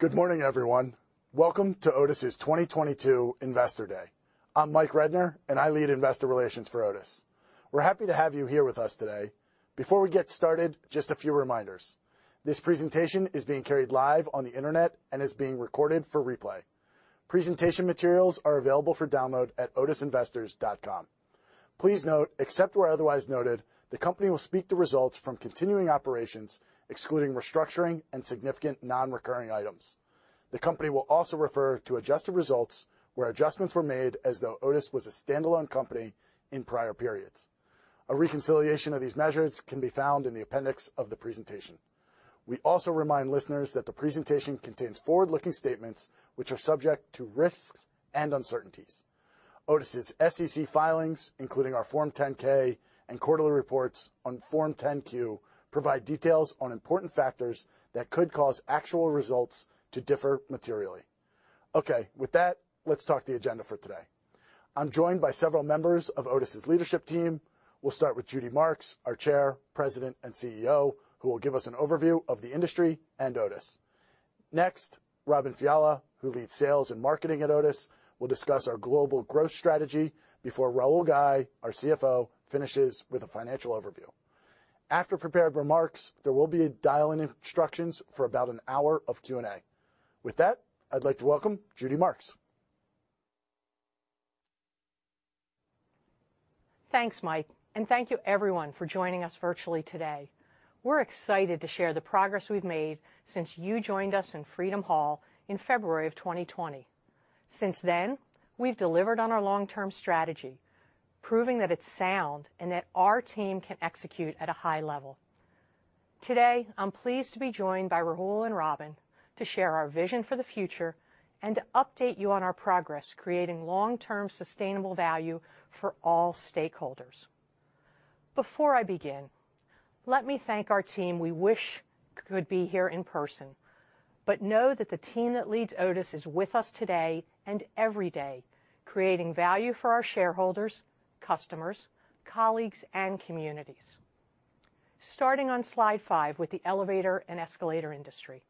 Good morning, everyone. Welcome to Otis's 2022 Investor Day. I'm Michael Rednor, and I lead investor relations for Otis. We're happy to have you here with us today. Before we get started, just a few reminders. This presentation is being carried live on the internet and is being recorded for replay. Presentation materials are available for download at otisinvestors.com. Please note, except where otherwise noted, the company will speak to results from continuing operations, excluding restructuring and significant non-recurring items. The company will also refer to adjusted results where adjustments were made as though Otis was a standalone company in prior periods. A reconciliation of these measures can be found in the appendix of the presentation. We also remind listeners that the presentation contains forward-looking statements which are subject to risks and uncertainties. Otis's SEC filings, including our Form 10-K and quarterly reports on Form 10-Q, provide details on important factors that could cause actual results to differ materially. Okay. With that, let's talk about the agenda for today. I'm joined by several members of Otis's leadership team. We'll start with Judy Marks, our Chair, President, and CEO, who will give us an overview of the industry and Otis. Next, Robin Fiala, who leads Sales and Marketing at Otis, will discuss our global growth strategy before Rahul Ghai, our CFO, finishes with a financial overview. After prepared remarks, there will be dial-in instructions for about an hour of Q&A. With that, I'd like to welcome Judy Marks. Thanks, Mike, and thank you everyone for joining us virtually today. We're excited to share the progress we've made since you joined us in Freedom Hall in February 2020. Since then, we've delivered on our long-term strategy, proving that it's sound and that our team can execute at a high level. Today, I'm pleased to be joined by Rahul and Robin to share our vision for the future and to update you on our progress creating long-term sustainable value for all stakeholders. Before I begin, let me thank our team we wish could be here in person, but know that the team that leads Otis is with us today and every day, creating value for our shareholders, customers, colleagues, and communities. Starting on slide five with the elevator and escalator industry.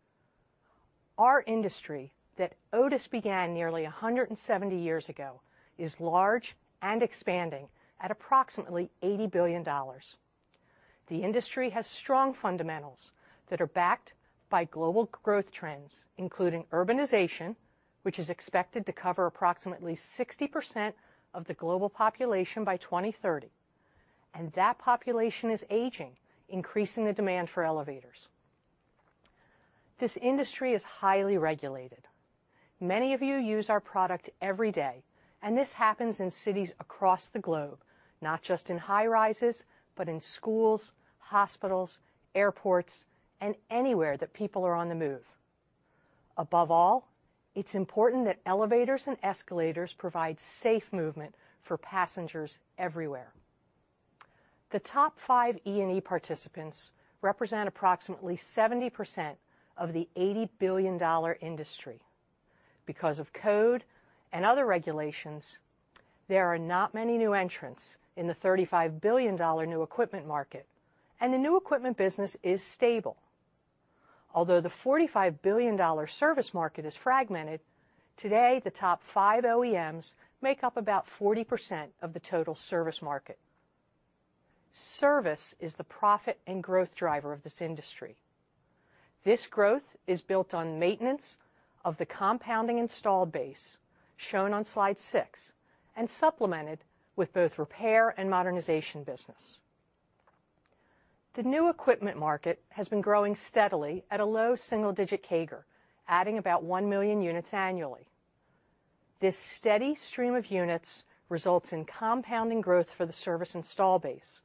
Our industry that Otis began nearly 170 years ago is large and expanding at approximately $80 billion. The industry has strong fundamentals that are backed by global growth trends, including urbanization, which is expected to cover approximately 60% of the global population by 2030, and that population is aging, increasing the demand for elevators. This industry is highly regulated. Many of you use our product every day, and this happens in cities across the globe, not just in high-rises, but in schools, hospitals, airports, and anywhere that people are on the move. Above all, it's important that elevators and escalators provide safe movement for passengers everywhere. The top five E&E participants represent approximately 70% of the $80 billion industry. Because of code and other regulations, there are not many new entrants in the $35 billion New Equipment market, and the New Equipment business is stable. Although the $45 billion service market is fragmented, today the top five OEMs make up about 40% of the total service market. Service is the profit and growth driver of this industry. This growth is built on maintenance of the compounding installed base shown on slide six and supplemented with both repair and modernization business. The New Equipment market has been growing steadily at a low single-digit CAGR, adding about 1 million units annually. This steady stream of units results in compounding growth for the service installed base,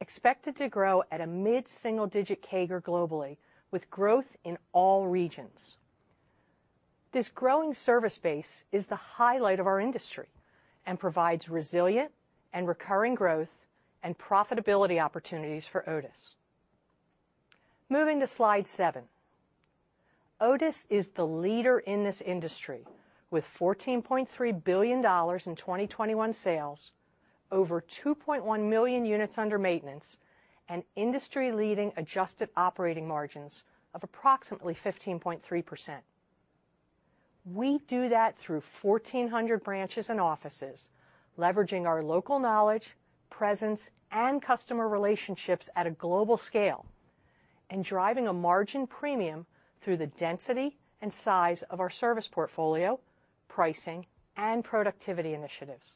expected to grow at a mid-single-digit CAGR globally with growth in all regions. This growing service base is the highlight of our industry and provides resilient and recurring growth and profitability opportunities for Otis. Moving to slide seven. Otis is the leader in this industry with $14.3 billion in 2021 sales, over 2.1 million units under maintenance, an industry-leading adjusted operating margins of approximately 15.3%. We do that through 1,400 branches and offices, leveraging our local knowledge, presence, and customer relationships at a global scale and driving a margin premium through the density and size of our service portfolio, pricing, and productivity initiatives.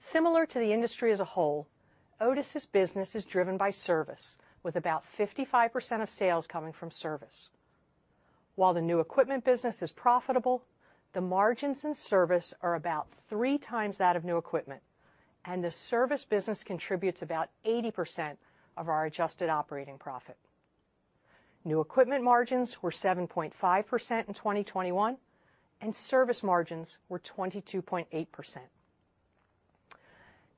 Similar to the industry as a whole, Otis's business is driven by service with about 55% of sales coming from service. While the New Equipment business is profitable, the margins in service are about 3x that of New Equipment, and the service business contributes about 80% of our adjusted operating profit. New Equipment margins were 7.5% in 2021, and service margins were 22.8%.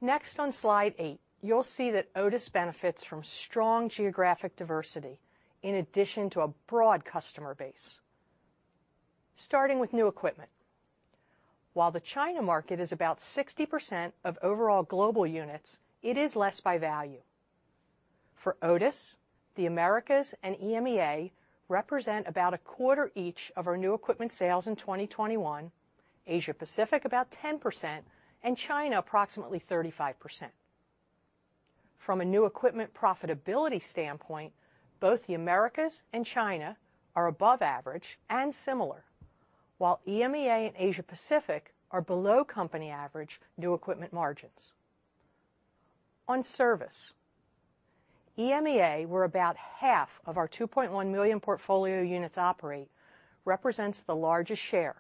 Next on slide eight, you'll see that Otis benefits from strong geographic diversity in addition to a broad customer base. Starting with New Equipment. While the China market is about 60% of overall global units, it is less by value. For Otis, the Americas and EMEA represent about a quarter each of our New Equipment sales in 2021, Asia Pacific about 10%, and China approximately 35%. From a New Equipment profitability standpoint, both the Americas and China are above average and similar. While EMEA and Asia Pacific are below company average New Equipment margins. On service, EMEA, where about half of our 2.1 million portfolio units operate, represents the largest share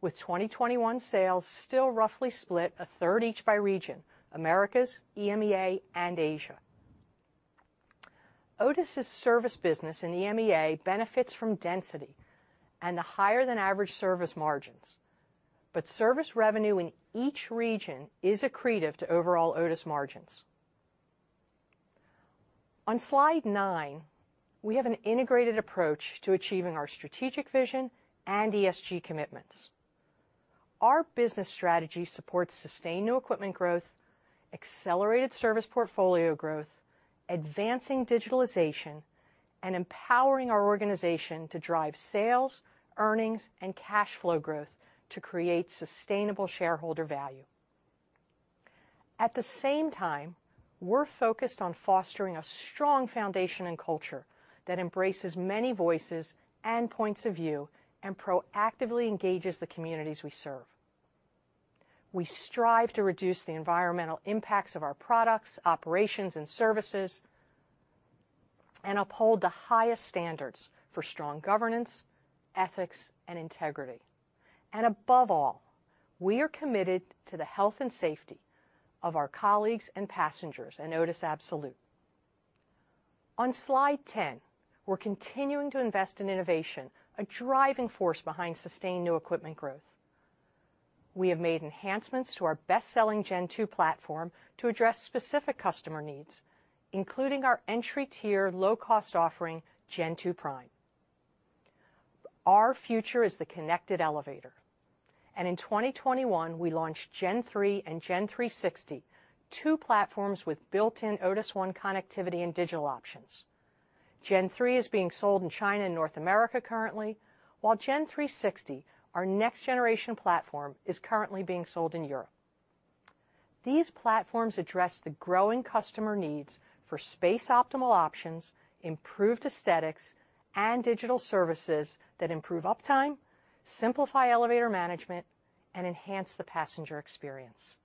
with 2021 sales still roughly split 1/3 each by region, Americas, EMEA, and Asia. Otis's service business in EMEA benefits from density and the higher than average service margins. Service revenue in each region is accretive to overall Otis margins. On slide nine, we have an integrated approach to achieving our strategic vision and ESG commitments. Our business strategy supports sustained New Equipment growth, accelerated service portfolio growth, advancing digitalization, and empowering our organization to drive sales, earnings and cash flow growth to create sustainable shareholder value. At the same time, we're focused on fostering a strong foundation and culture that embraces many voices and points of view and proactively engages the communities we serve. We strive to reduce the environmental impacts of our products, operations, and services and uphold the highest standards for strong governance, ethics, and integrity. Above all, we are committed to the health and safety of our colleagues and passengers at Otis Absolutes. On slide 10, we're continuing to invest in innovation, a driving force behind sustained New Equipment growth. We have made enhancements to our best-selling Gen2 platform to address specific customer needs, including our entry-tier low-cost offering, Gen2 Prime. Our future is the connected elevator, and in 2021, we launched Gen3 and Gen360, two platforms with built-in Otis ONE connectivity and digital options. Gen3 is being sold in China and North America currently, while Gen360, our next generation platform, is currently being sold in Europe. These platforms address the growing customer needs for space optimal options, improved aesthetics, and digital services that improve uptime, simplify elevator management, and enhance the passenger experience.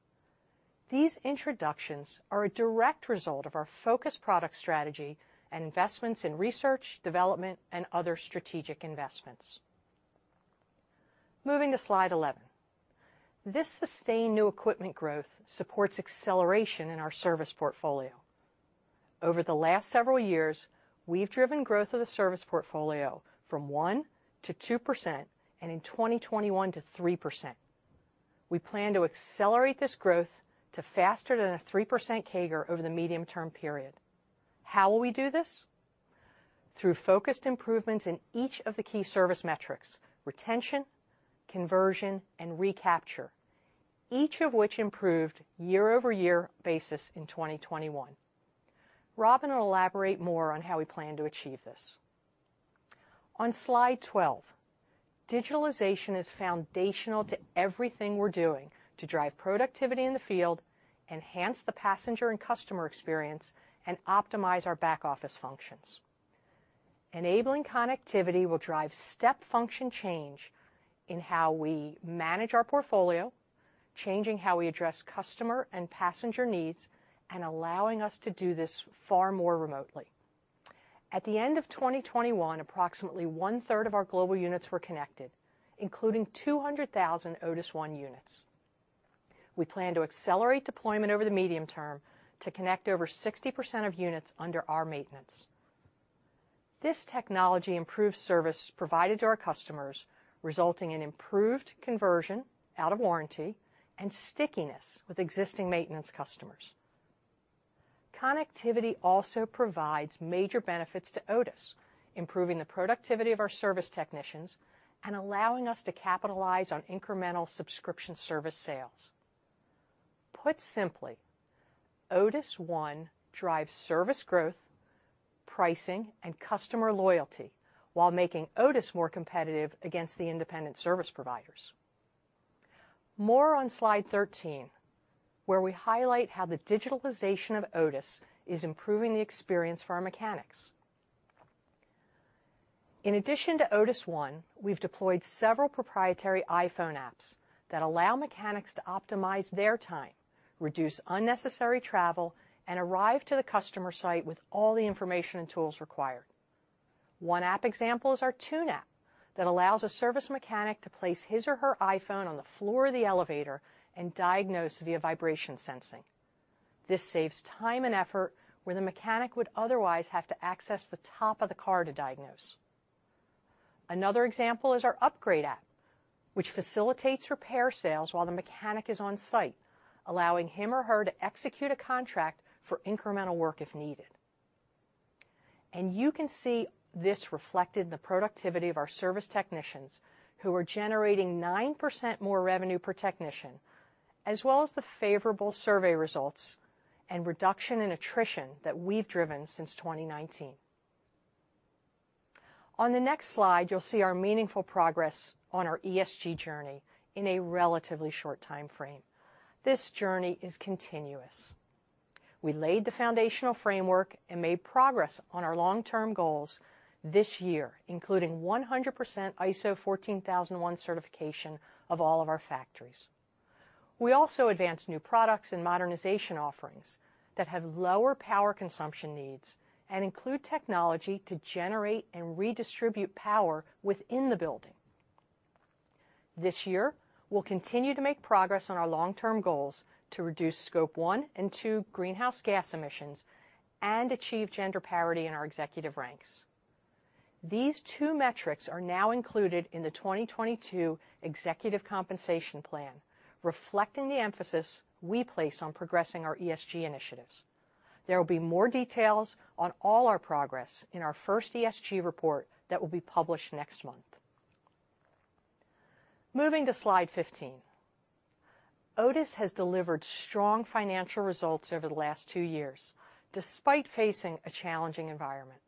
These introductions are a direct result of our focused product strategy and investments in research, development, and other strategic investments. Moving to slide 11. This sustained New Equipment growth supports acceleration in our service portfolio. Over the last several years, we've driven growth of the service portfolio from 1%-2%, and in 2021 to 3%. We plan to accelerate this growth to faster than a 3% CAGR over the medium-term period. How will we do this? Through focused improvements in each of the key service metrics: retention, conversion, and recapture, each of which improved year-over-year basis in 2021. Robin will elaborate more on how we plan to achieve this. On slide twelve, digitalization is foundational to everything we're doing to drive productivity in the field, enhance the passenger and customer experience, and optimize our back-office functions. Enabling connectivity will drive step function change in how we manage our portfolio, changing how we address customer and passenger needs, and allowing us to do this far more remotely. At the end of 2021, approximately one-third of our global units were connected, including 200,000 Otis ONE units. We plan to accelerate deployment over the medium term to connect over 60% of units under our maintenance. This technology improves service provided to our customers, resulting in improved conversion out of warranty and stickiness with existing maintenance customers. Connectivity also provides major benefits to Otis, improving the productivity of our service technicians and allowing us to capitalize on incremental subscription service sales. Put simply, Otis ONE drives service growth, pricing, and customer loyalty while making Otis more competitive against the independent service providers. More on slide 13, where we highlight how the digitalization of Otis is improving the experience for our mechanics. In addition to Otis ONE, we've deployed several proprietary iPhone apps that allow mechanics to optimize their time, reduce unnecessary travel, and arrive to the customer site with all the information and tools required. One app example is our Tune app that allows a service mechanic to place his or her iPhone on the floor of the elevator and diagnose via vibration sensing. This saves time and effort where the mechanic would otherwise have to access the top of the car to diagnose. Another example is our Upgrade app, which facilitates repair sales while the mechanic is on-site, allowing him or her to execute a contract for incremental work if needed. You can see this reflected in the productivity of our service technicians who are generating 9% more revenue per technician, as well as the favorable survey results and reduction in attrition that we've driven since 2019. On the next slide, you'll see our meaningful progress on our ESG journey in a relatively short timeframe. This journey is continuous. We laid the foundational framework and made progress on our long-term goals this year, including 100% ISO 14001 certification of all of our factories. We also advanced new products and modernization offerings that have lower power consumption needs and include technology to generate and redistribute power within the building. This year, we'll continue to make progress on our long-term goals to reduce Scope 1 and 2 greenhouse gas emissions and achieve gender parity in our executive ranks. These two metrics are now included in the 2022 executive compensation plan, reflecting the emphasis we place on progressing our ESG initiatives. There will be more details on all our progress in our first ESG Report that will be published next month. Moving to slide 15. Otis has delivered strong financial results over the last two years, despite facing a challenging environment.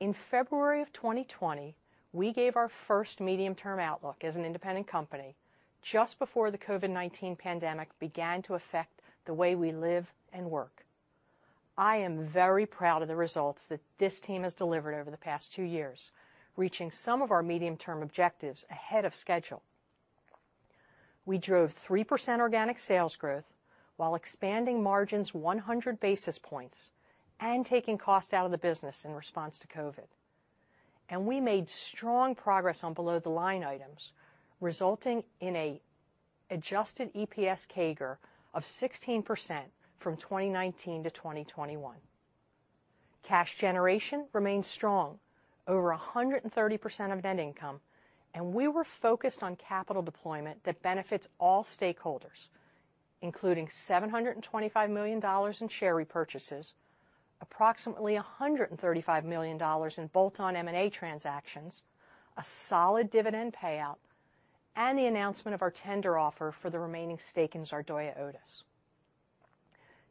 In February 2020, we gave our first medium-term outlook as an independent company just before the COVID-19 pandemic began to affect the way we live and work. I am very proud of the results that this team has delivered over the past two years, reaching some of our medium-term objectives ahead of schedule. We drove 3% organic sales growth while expanding margins 100 basis points and taking cost out of the business in response to COVID. We made strong progress on below-the-line items, resulting in an adjusted EPS CAGR of 16% from 2019 to 2021. Cash generation remained strong, over 130% of net income, and we were focused on capital deployment that benefits all stakeholders, including $725 million in share repurchases, approximately $135 million in bolt-on M&A transactions, a solid dividend payout, and the announcement of our tender offer for the remaining stake in Zardoya Otis.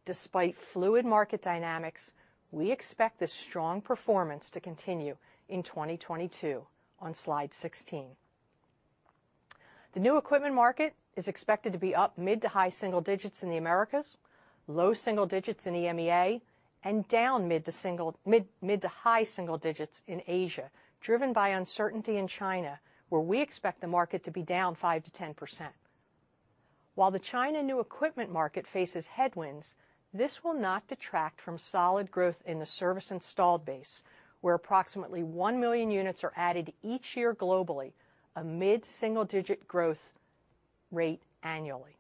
Despite fluid market dynamics, we expect this strong performance to continue in 2022 on slide 16. The New Equipment market is expected to be up mid- to high-single digits in the Americas, low-single digits in EMEA, and down mid- to high-single digits in Asia, driven by uncertainty in China, where we expect the market to be down 5%-10%. While the China New Equipment market faces headwinds, this will not detract from solid growth in the service installed base, where approximately 1 million units are added each year globally, a mid-single-digit growth rate annually.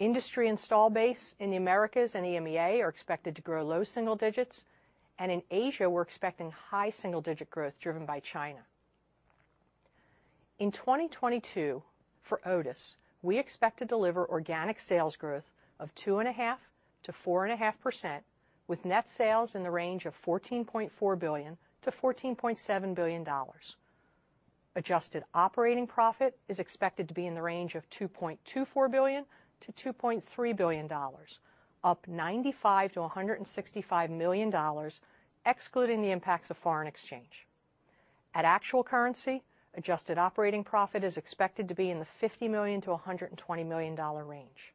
Industry installed base in the Americas and EMEA are expected to grow low-single digits, and in Asia, we're expecting high-single-digit growth driven by China. In 2022, for Otis, we expect to deliver organic sales growth of 2.5%-4.5% with net sales in the range of $14.4 billion-$14.7 billion. Adjusted operating profit is expected to be in the range of $2.24 billion-$2.3 billion, up $95 million-$165 million, excluding the impacts of foreign exchange. At actual currency, adjusted operating profit is expected to be in the $50 million-$120 million range.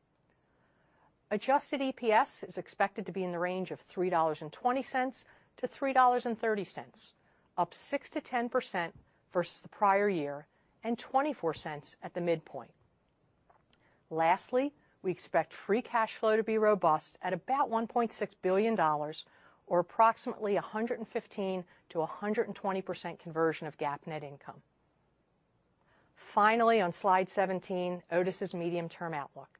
Adjusted EPS is expected to be in the range of $3.20-$3.30, up 6%-10% versus the prior year and $0.24 at the midpoint. Lastly, we expect free cash flow to be robust at about $1.6 billion or approximately 115%-120% conversion of GAAP net income. Finally, on slide 17, Otis's medium-term outlook.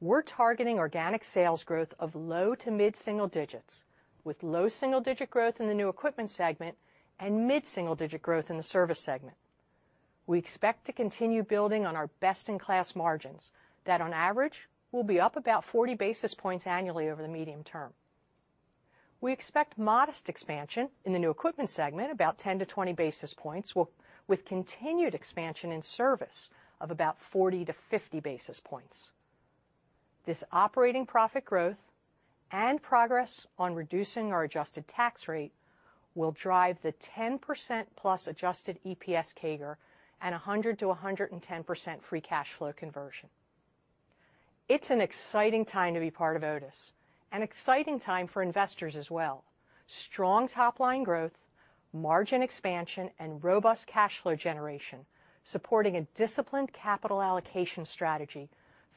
We're targeting organic sales growth of low- to mid-single digits with low single-digit growth in the New Equipment segment and mid-single-digit growth in the Service segment. We expect to continue building on our best-in-class margins that on average will be up about 40 basis points annually over the medium term. We expect modest expansion in the New Equipment segment, about 10-20 basis points, with continued expansion in Service of about 40-50 basis points. This operating profit growth and progress on reducing our adjusted tax rate will drive the 10%+ adjusted EPS CAGR and 100%-110% free cash flow conversion. It's an exciting time to be part of Otis, an exciting time for investors as well. Strong top-line growth, margin expansion, and robust cash flow generation, supporting a disciplined capital allocation strategy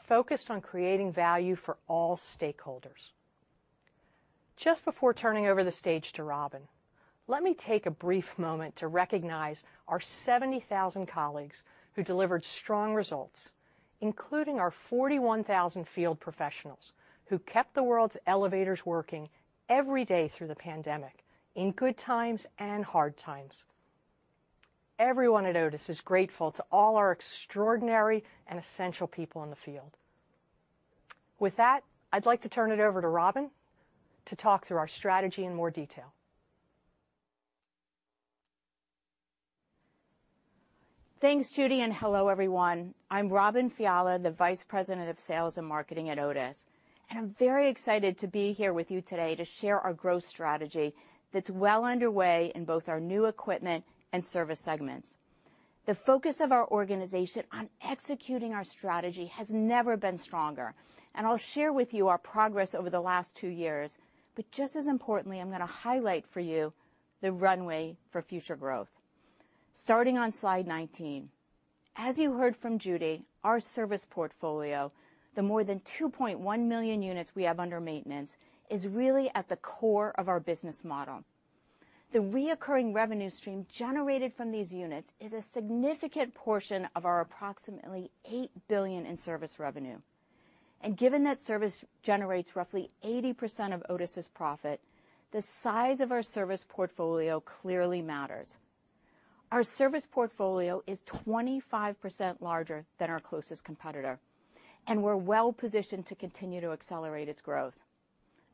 focused on creating value for all stakeholders. Just before turning over the stage to Robin, let me take a brief moment to recognize our 70,000 colleagues who delivered strong results, including our 41,000 field professionals who kept the world's elevators working every day through the pandemic in good times and hard times. Everyone at Otis is grateful to all our extraordinary and essential people in the field. With that, I'd like to turn it over to Robin to talk through our strategy in more detail. Thanks, Judy, and hello, everyone. I'm Robin Fiala, the Vice President of Sales and Marketing at Otis, and I'm very excited to be here with you today to share our growth strategy that's well underway in both our New Equipment and service segments. The focus of our organization on executing our strategy has never been stronger, and I'll share with you our progress over the last two years, but just as importantly, I'm gonna highlight for you the runway for future growth. Starting on slide 19, as you heard from Judy, our service portfolio, the more than 2.1 million units we have under maintenance, is really at the core of our business model. The recurring revenue stream generated from these units is a significant portion of our approximately $8 billion in service revenue. Given that service generates roughly 80% of Otis's profit, the size of our service portfolio clearly matters. Our service portfolio is 25% larger than our closest competitor, and we're well-positioned to continue to accelerate its growth.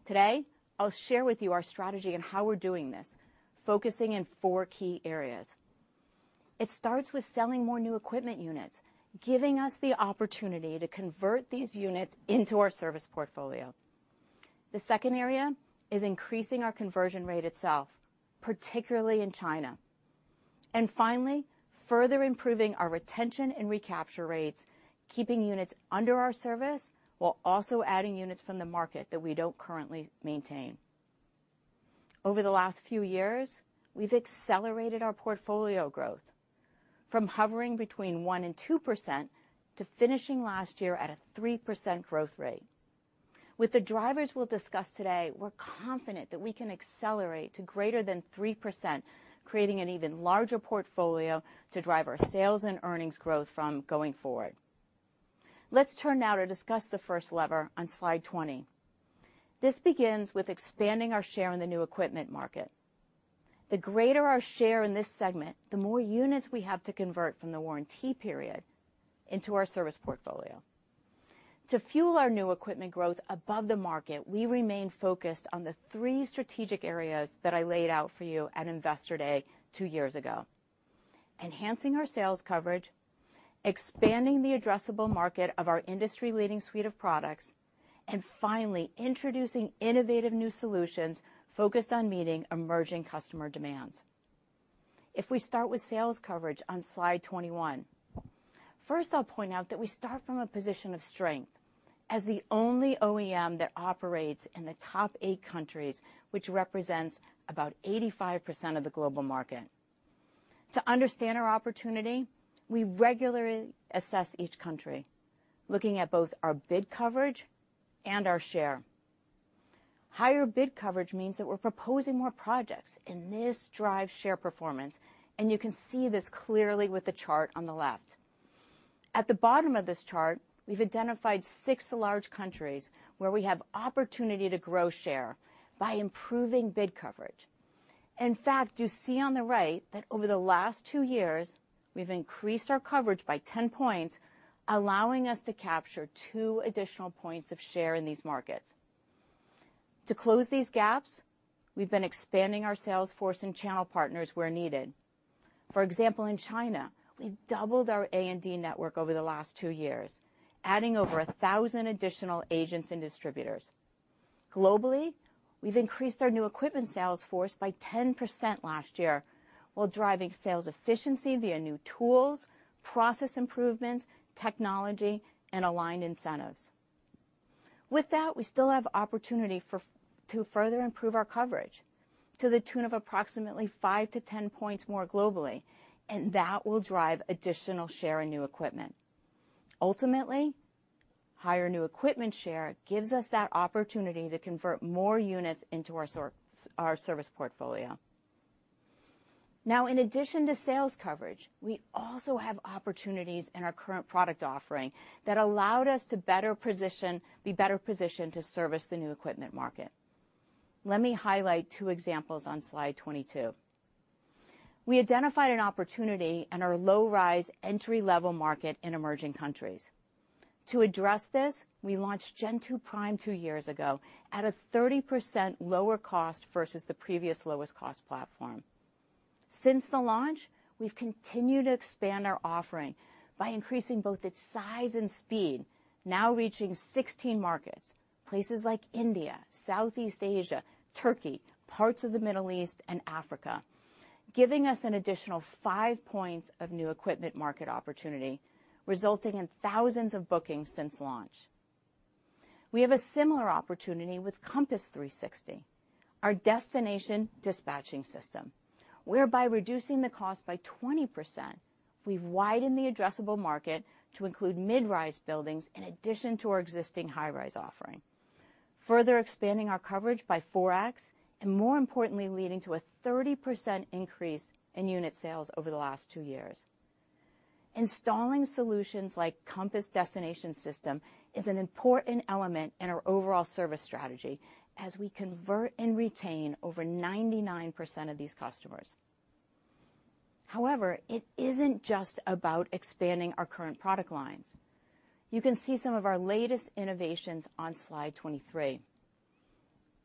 Today, I'll share with you our strategy and how we're doing this, focusing in four key areas. It starts with selling more New Equipment units, giving us the opportunity to convert these units into our service portfolio. The second area is increasing our conversion rate itself, particularly in China. Finally, further improving our retention and recapture rates, keeping units under our service while also adding units from the market that we don't currently maintain. Over the last few years, we've accelerated our portfolio growth from hovering between 1% and 2% to finishing last year at a 3% growth rate. With the drivers we'll discuss today, we're confident that we can accelerate to greater than 3%, creating an even larger portfolio to drive our sales and earnings growth from going forward. Let's turn now to discuss the first lever on slide 20. This begins with expanding our share in the New Equipment market. The greater our share in this segment, the more units we have to convert from the warranty period into our service portfolio. To fuel our New Equipment growth above the market, we remain focused on the three strategic areas that I laid out for you at Investor Day two years ago, enhancing our sales coverage, expanding the addressable market of our industry-leading suite of products, and finally, introducing innovative new solutions focused on meeting emerging customer demands. If we start with sales coverage on slide 21, first I'll point out that we start from a position of strength as the only OEM that operates in the top eight countries, which represents about 85% of the global market. To understand our opportunity, we regularly assess each country, looking at both our bid coverage and our share. Higher bid coverage means that we're proposing more projects, and this drives share performance, and you can see this clearly with the chart on the left. At the bottom of this chart, we've identified six large countries where we have opportunity to grow share by improving bid coverage. In fact, you see on the right that over the last two years, we've increased our coverage by 10 points, allowing us to capture 2 additional points of share in these markets. To close these gaps, we've been expanding our sales force and channel partners where needed. For example, in China, we've doubled our A&D network over the last two years, adding over 1,000 additional agents and distributors. Globally, we've increased our New Equipment sales force by 10% last year, while driving sales efficiency via new tools, process improvements, technology, and aligned incentives. With that, we still have opportunity for to further improve our coverage to the tune of approximately 5-10 points more globally, and that will drive additional share in New Equipment. Ultimately, higher New Equipment share gives us that opportunity to convert more units into our service portfolio. Now, in addition to sales coverage, we also have opportunities in our current product offering that allowed us to be better positioned to service the New Equipment market. Let me highlight two examples on slide 22. We identified an opportunity in our low-rise, entry-level market in emerging countries. To address this, we launched Gen2 Prime two years ago at a 30% lower cost versus the previous lowest cost platform. Since the launch, we've continued to expand our offering by increasing both its size and speed, now reaching 16 markets, places like India, Southeast Asia, Turkey, parts of the Middle East, and Africa, giving us an additional 5 points of New Equipment market opportunity, resulting in thousands of bookings since launch. We have a similar opportunity with Compass 360, our destination dispatching system, whereby reducing the cost by 20%. We've widened the addressable market to include mid-rise buildings in addition to our existing high-rise offering, further expanding our coverage by 4x, and more importantly, leading to a 30% increase in unit sales over the last two years. Installing solutions like Compass 360 is an important element in our overall service strategy as we convert and retain over 99% of these customers. However, it isn't just about expanding our current product lines. You can see some of our latest innovations on slide 23.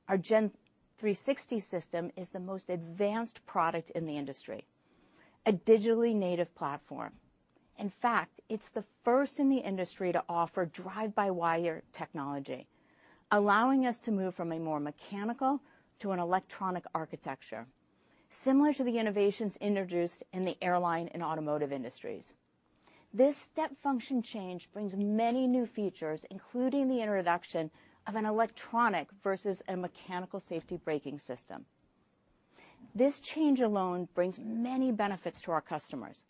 Our Gen360 system is the most advanced product in the industry, a digitally native platform. In fact, it's the first in the industry to offer drive-by-wire technology, allowing us to move from a more mechanical to an electronic architecture. Similar to the innovations introduced in the airline and automotive industries, this step function change brings many new features, including the introduction of an electronic versus a mechanical safety braking system. This change alone brings many benefits to our customers.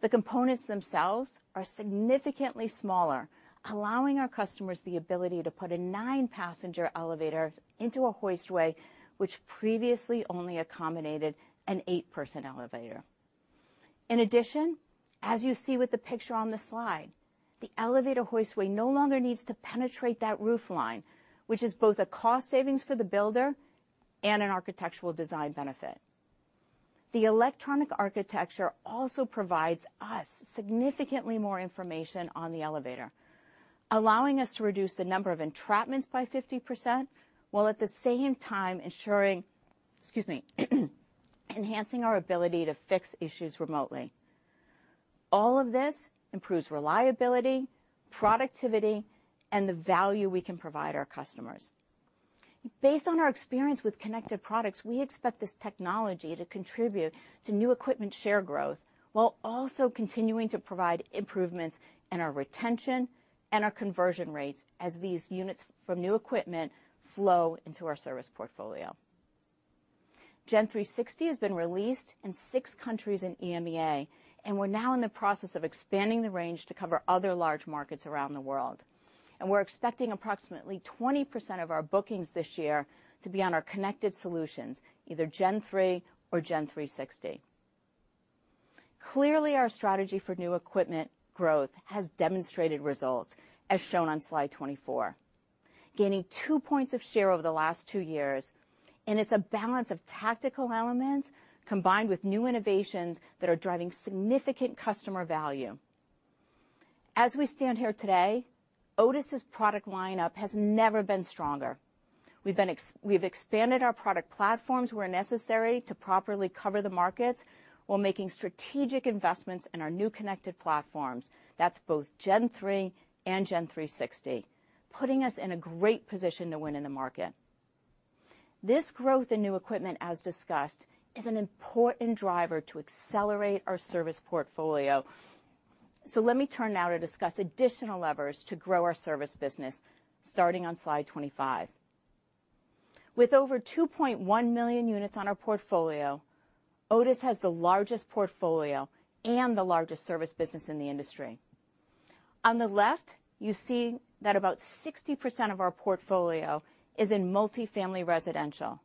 The components themselves are significantly smaller, allowing our customers the ability to put a nine-passenger elevator into a hoistway, which previously only accommodated an eight-person elevator. In addition, as you see with the picture on the slide, the elevator hoistway no longer needs to penetrate that roof line, which is both a cost savings for the builder and an architectural design benefit. The electronic architecture also provides us significantly more information on the elevator, allowing us to reduce the number of entrapments by 50%, while at the same time ensuring, excuse me enhancing our ability to fix issues remotely. All of this improves reliability, productivity, and the value we can provide our customers. Based on our experience with connected products, we expect this technology to contribute to New Equipment share growth while also continuing to provide improvements in our retention and our conversion rates as these units from New Equipment flow into our service portfolio. Gen360 has been released in six countries in EMEA, and we're now in the process of expanding the range to cover other large markets around the world. We're expecting approximately 20% of our bookings this year to be on our connected solutions, either Gen3 or Gen360. Clearly, our strategy for New Equipment growth has demonstrated results as shown on slide 24, gaining two points of share over the last two years, and it's a balance of tactical elements combined with new innovations that are driving significant customer value. As we stand here today, Otis's product lineup has never been stronger. We've expanded our product platforms where necessary to properly cover the markets while making strategic investments in our new connected platforms. That's both Gen3 and Gen360, putting us in a great position to win in the market. This growth in New Equipment, as discussed, is an important driver to accelerate our service portfolio. Let me turn now to discuss additional levers to grow our service business, starting on slide 25. With over 2.1 million units in our portfolio, Otis has the largest portfolio and the largest service business in the industry. On the left, you see that about 60% of our portfolio is in multifamily residential,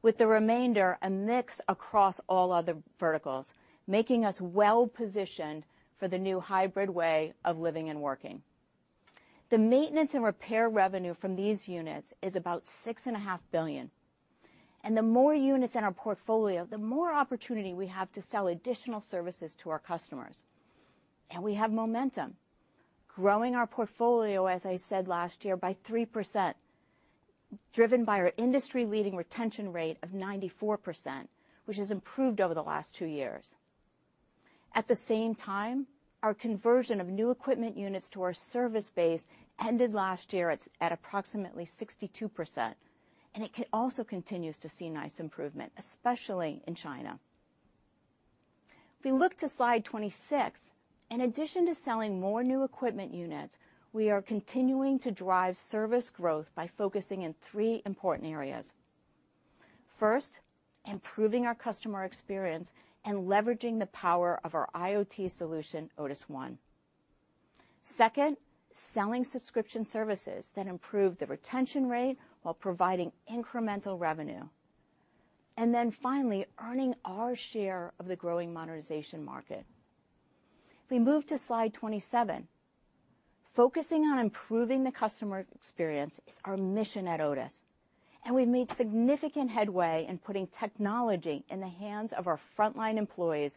with the remainder a mix across all other verticals, making us well-positioned for the new hybrid way of living and working. The maintenance and repair revenue from these units is about $6.5 billion. The more units in our portfolio, the more opportunity we have to sell additional services to our customers. We have momentum, growing our portfolio, as I said last year, by 3%, driven by our industry-leading retention rate of 94%, which has improved over the last two years. At the same time, our conversion of New Equipment units to our service base ended last year at approximately 62%, and it also continues to see nice improvement, especially in China. If we look to slide 26, in addition to selling more New Equipment units, we are continuing to drive service growth by focusing in three important areas. First, improving our customer experience and leveraging the power of our IoT solution, Otis ONE. Second, selling subscription services that improve the retention rate while providing incremental revenue. Finally, earning our share of the growing monetization market. If we move to slide 27, focusing on improving the customer experience is our mission at Otis, and we've made significant headway in putting technology in the hands of our frontline employees,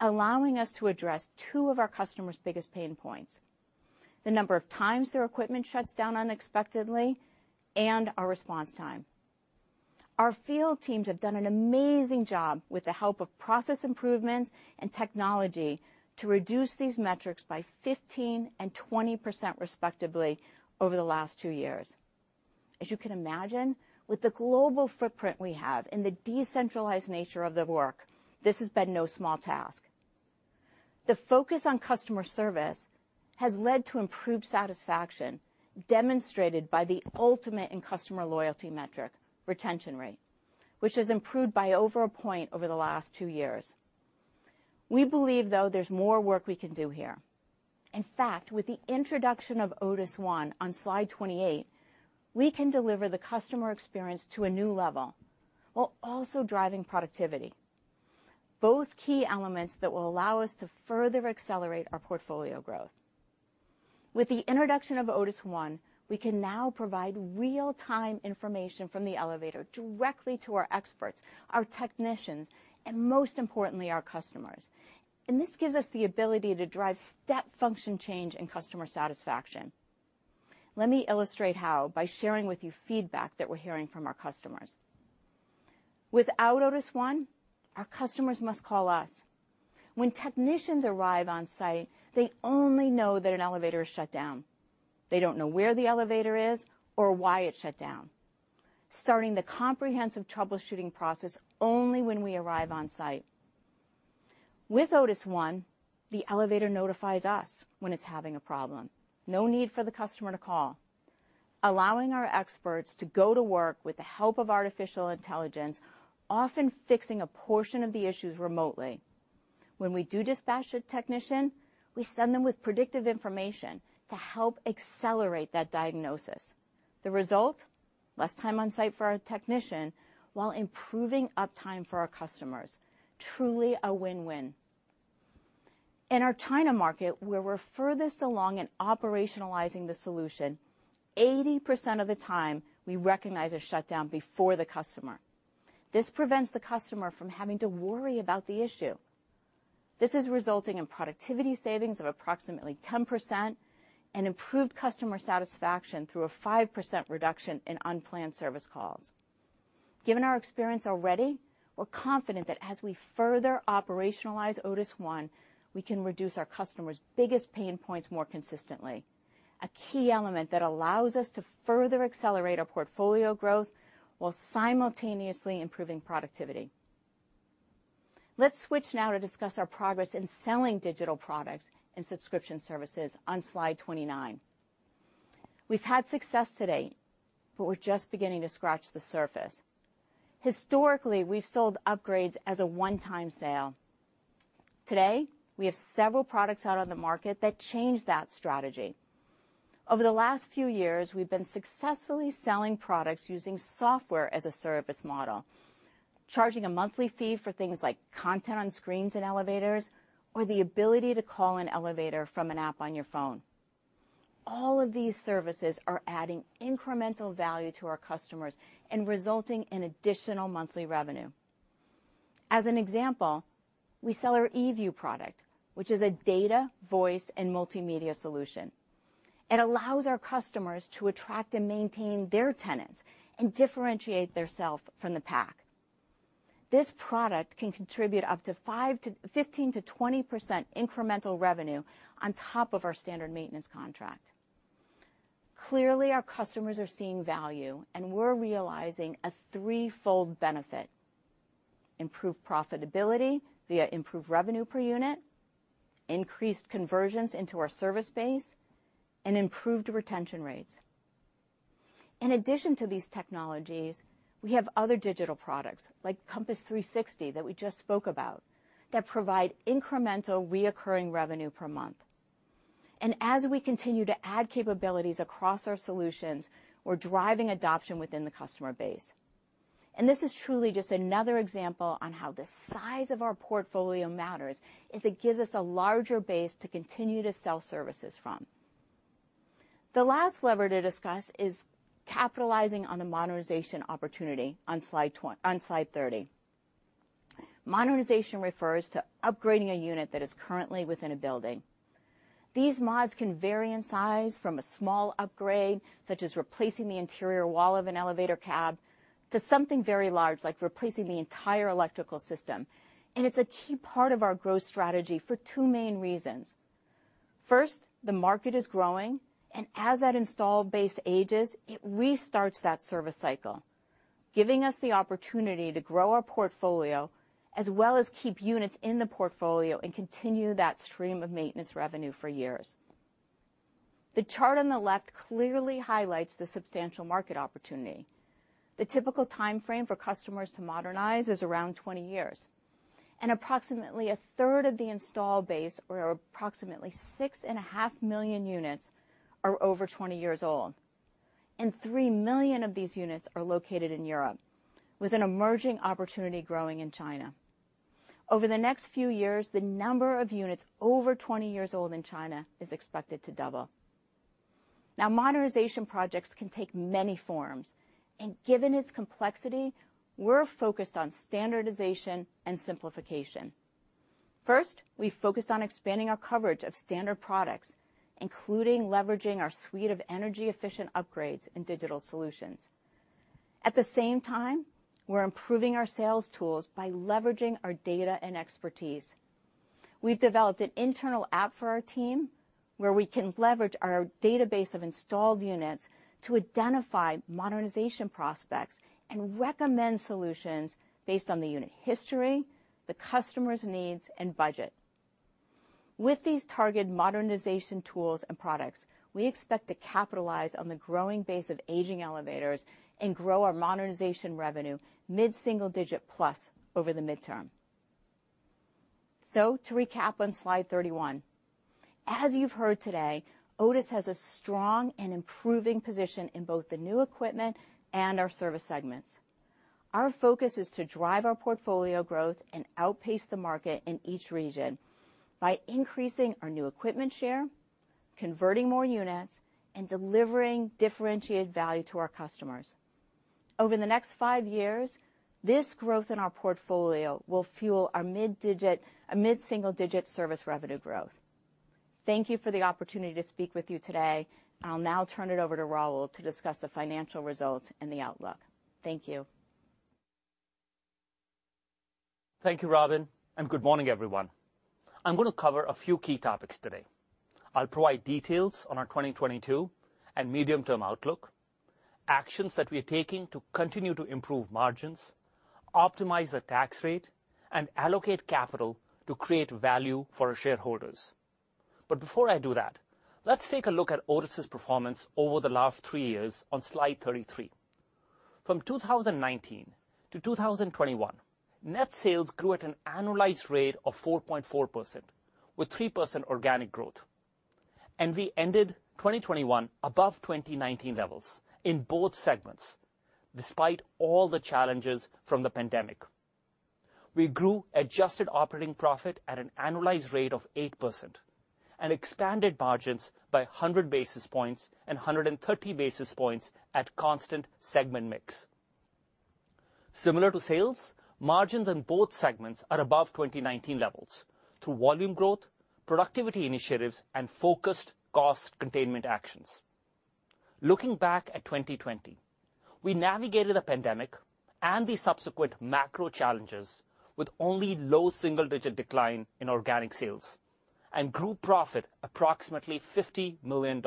allowing us to address two of our customers' biggest pain points, the number of times their equipment shuts down unexpectedly and our response time. Our field teams have done an amazing job with the help of process improvements and technology to reduce these metrics by 15% and 20%, respectively, over the last two years. As you can imagine, with the global footprint we have and the decentralized nature of the work, this has been no small task. The focus on customer service has led to improved satisfaction, demonstrated by the ultimate in customer loyalty metric, retention rate, which has improved by over a point over the last two years. We believe, though, there's more work we can do here. In fact, with the introduction of Otis ONE on slide 28, we can deliver the customer experience to a new level while also driving productivity, both key elements that will allow us to further accelerate our portfolio growth. With the introduction of Otis ONE, we can now provide real-time information from the elevator directly to our experts, our technicians, and most importantly, our customers. This gives us the ability to drive step function change and customer satisfaction. Let me illustrate how by sharing with you feedback that we're hearing from our customers. Without Otis ONE, our customers must call us. When technicians arrive on site, they only know that an elevator is shut down. They don't know where the elevator is or why it shut down, starting the comprehensive troubleshooting process only when we arrive on site. With Otis ONE, the elevator notifies us when it's having a problem. No need for the customer to call. Allowing our experts to go to work with the help of artificial intelligence, often fixing a portion of the issues remotely. When we do dispatch a technician, we send them with predictive information to help accelerate that diagnosis. The result, less time on site for our technician while improving uptime for our customers. Truly a win-win. In our China market, where we're furthest along in operationalizing the solution, 80% of the time, we recognize a shutdown before the customer. This prevents the customer from having to worry about the issue. This is resulting in productivity savings of approximately 10% and improved customer satisfaction through a 5% reduction in unplanned service calls. Given our experience already, we're confident that as we further operationalize Otis ONE, we can reduce our customers' biggest pain points more consistently, a key element that allows us to further accelerate our portfolio growth while simultaneously improving productivity. Let's switch now to discuss our progress in selling digital products and subscription services on slide 29. We've had success today, but we're just beginning to scratch the surface. Historically, we've sold upgrades as a one-time sale. Today, we have several products out on the market that change that strategy. Over the last few years, we've been successfully selling products using software-as-a-service model, charging a monthly fee for things like content on screens in elevators or the ability to call an elevator from an app on your phone. All of these services are adding incremental value to our customers and resulting in additional monthly revenue. As an example, we sell our eView product, which is a data, voice, and multimedia solution. It allows our customers to attract and maintain their tenants and differentiate their self from the pack. This product can contribute up to 15%-20% incremental revenue on top of our standard maintenance contract. Clearly, our customers are seeing value, and we're realizing a threefold benefit, improved profitability via improved revenue per unit, increased conversions into our service base, and improved retention rates. In addition to these technologies, we have other digital products like Compass 360 that we just spoke about that provide incremental recurring revenue per month. As we continue to add capabilities across our solutions, we're driving adoption within the customer base. This is truly just another example on how the size of our portfolio matters as it gives us a larger base to continue to sell services from. The last lever to discuss is capitalizing on the modernization opportunity on slide 30. Modernization refers to upgrading a unit that is currently within a building. These mods can vary in size from a small upgrade, such as replacing the interior wall of an elevator cab, to something very large, like replacing the entire electrical system. It's a key part of our growth strategy for two main reasons. First, the market is growing, and as that installed base ages, it restarts that service cycle, giving us the opportunity to grow our portfolio as well as keep units in the portfolio and continue that stream of maintenance revenue for years. The chart on the left clearly highlights the substantial market opportunity. The typical timeframe for customers to modernize is around 20 years. Approximately 1/3 of the installed base or approximately 6.5 million units are over 20 years old, and 3 million of these units are located in Europe with an emerging opportunity growing in China. Over the next few years, the number of units over 20 years old in China is expected to double. Now, modernization projects can take many forms, and given its complexity, we're focused on standardization and simplification. First, we focused on expanding our coverage of standard products, including leveraging our suite of energy-efficient upgrades and digital solutions. At the same time, we're improving our sales tools by leveraging our data and expertise. We've developed an internal app for our team where we can leverage our database of installed units to identify modernization prospects and recommend solutions based on the unit history, the customer's needs, and budget. With these targeted modernization tools and products, we expect to capitalize on the growing base of aging elevators and grow our modernization revenue mid-single-digit plus over the midterm. To recap on slide 31, as you've heard today, Otis has a strong and improving position in both the New Equipment and our service segments. Our focus is to drive our portfolio growth and outpace the market in each region by increasing our New Equipment share, converting more units, and delivering differentiated value to our customers. Over the next five years, this growth in our portfolio will fuel our mid-single-digit service revenue growth. Thank you for the opportunity to speak with you today, and I'll now turn it over to Rahul to discuss the financial results and the outlook. Thank you. Thank you, Robin, and good morning, everyone. I'm gonna cover a few key topics today. I'll provide details on our 2022 and medium-term outlook, actions that we are taking to continue to improve margins, optimize the tax rate, and allocate capital to create value for our shareholders. Before I do that, let's take a look at Otis' performance over the last three years on slide 33. From 2019 to 2021, net sales grew at an annualized rate of 4.4% with 3% organic growth. We ended 2021 above 2019 levels in both segments, despite all the challenges from the pandemic. We grew adjusted operating profit at an annualized rate of 8% and expanded margins by 100 basis points and 130 basis points at constant segment mix. Similar to sales, margins in both segments are above 2019 levels through volume growth, productivity initiatives, and focused cost containment actions. Looking back at 2020, we navigated a pandemic and the subsequent macro challenges with only low single-digit decline in organic sales and grew profit approximately $50 million.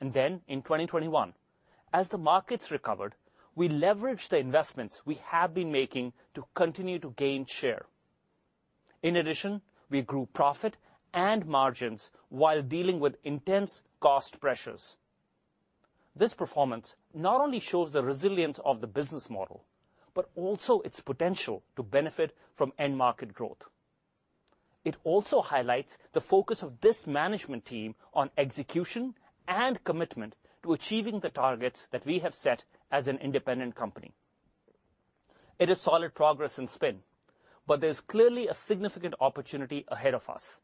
Then in 2021, as the markets recovered, we leveraged the investments we have been making to continue to gain share. In addition, we grew profit and margins while dealing with intense cost pressures. This performance not only shows the resilience of the business model, but also its potential to benefit from end market growth. It also highlights the focus of this management team on execution and commitment to achieving the targets that we have set as an independent company. It is solid progress post-spin, but there's clearly a significant opportunity ahead of us.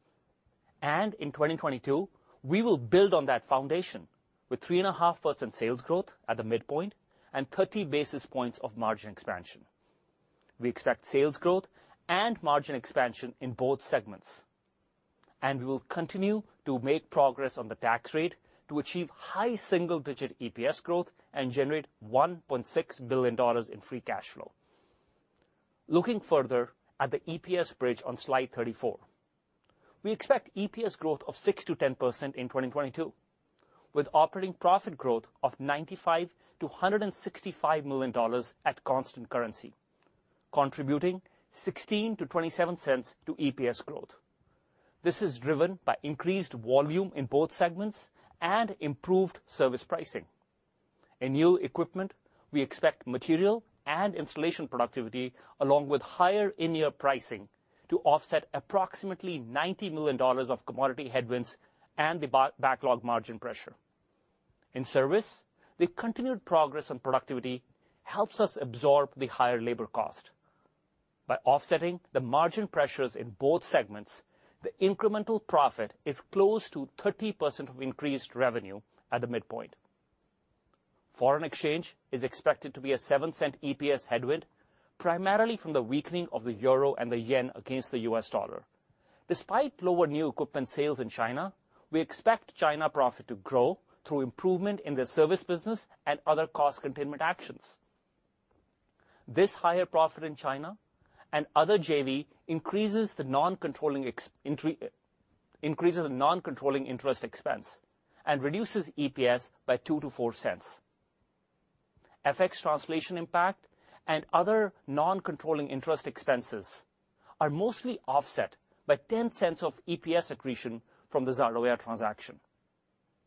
In 2022, we will build on that foundation with 3.5% sales growth at the midpoint and 30 basis points of margin expansion. We expect sales growth and margin expansion in both segments. We will continue to make progress on the tax rate to achieve high single-digit EPS growth and generate $1.6 billion in free cash flow. Looking further at the EPS bridge on slide 34, we expect EPS growth of 6%-10% in 2022, with operating profit growth of $95 million-$165 million at constant currency, contributing $0.16-$0.27 to EPS growth. This is driven by increased volume in both segments and improved service pricing. In New Equipment, we expect material and installation productivity along with higher in-year pricing to offset approximately $90 million of commodity headwinds and the backlog margin pressure. In service, the continued progress on productivity helps us absorb the higher labor cost. By offsetting the margin pressures in both segments, the incremental profit is close to 30% of increased revenue at the midpoint. Foreign exchange is expected to be a $0.07 EPS headwind, primarily from the weakening of the euro and the yen against the U.S. dollar. Despite lower New Equipment sales in China, we expect China profit to grow through improvement in the service business and other cost containment actions. This higher profit in China and other JV increases the non-controlling interest expense and reduces EPS by $0.02-$0.04. FX translation impact and other non-controlling interest expenses are mostly offset by $0.10 of EPS accretion from the Zardoya transaction.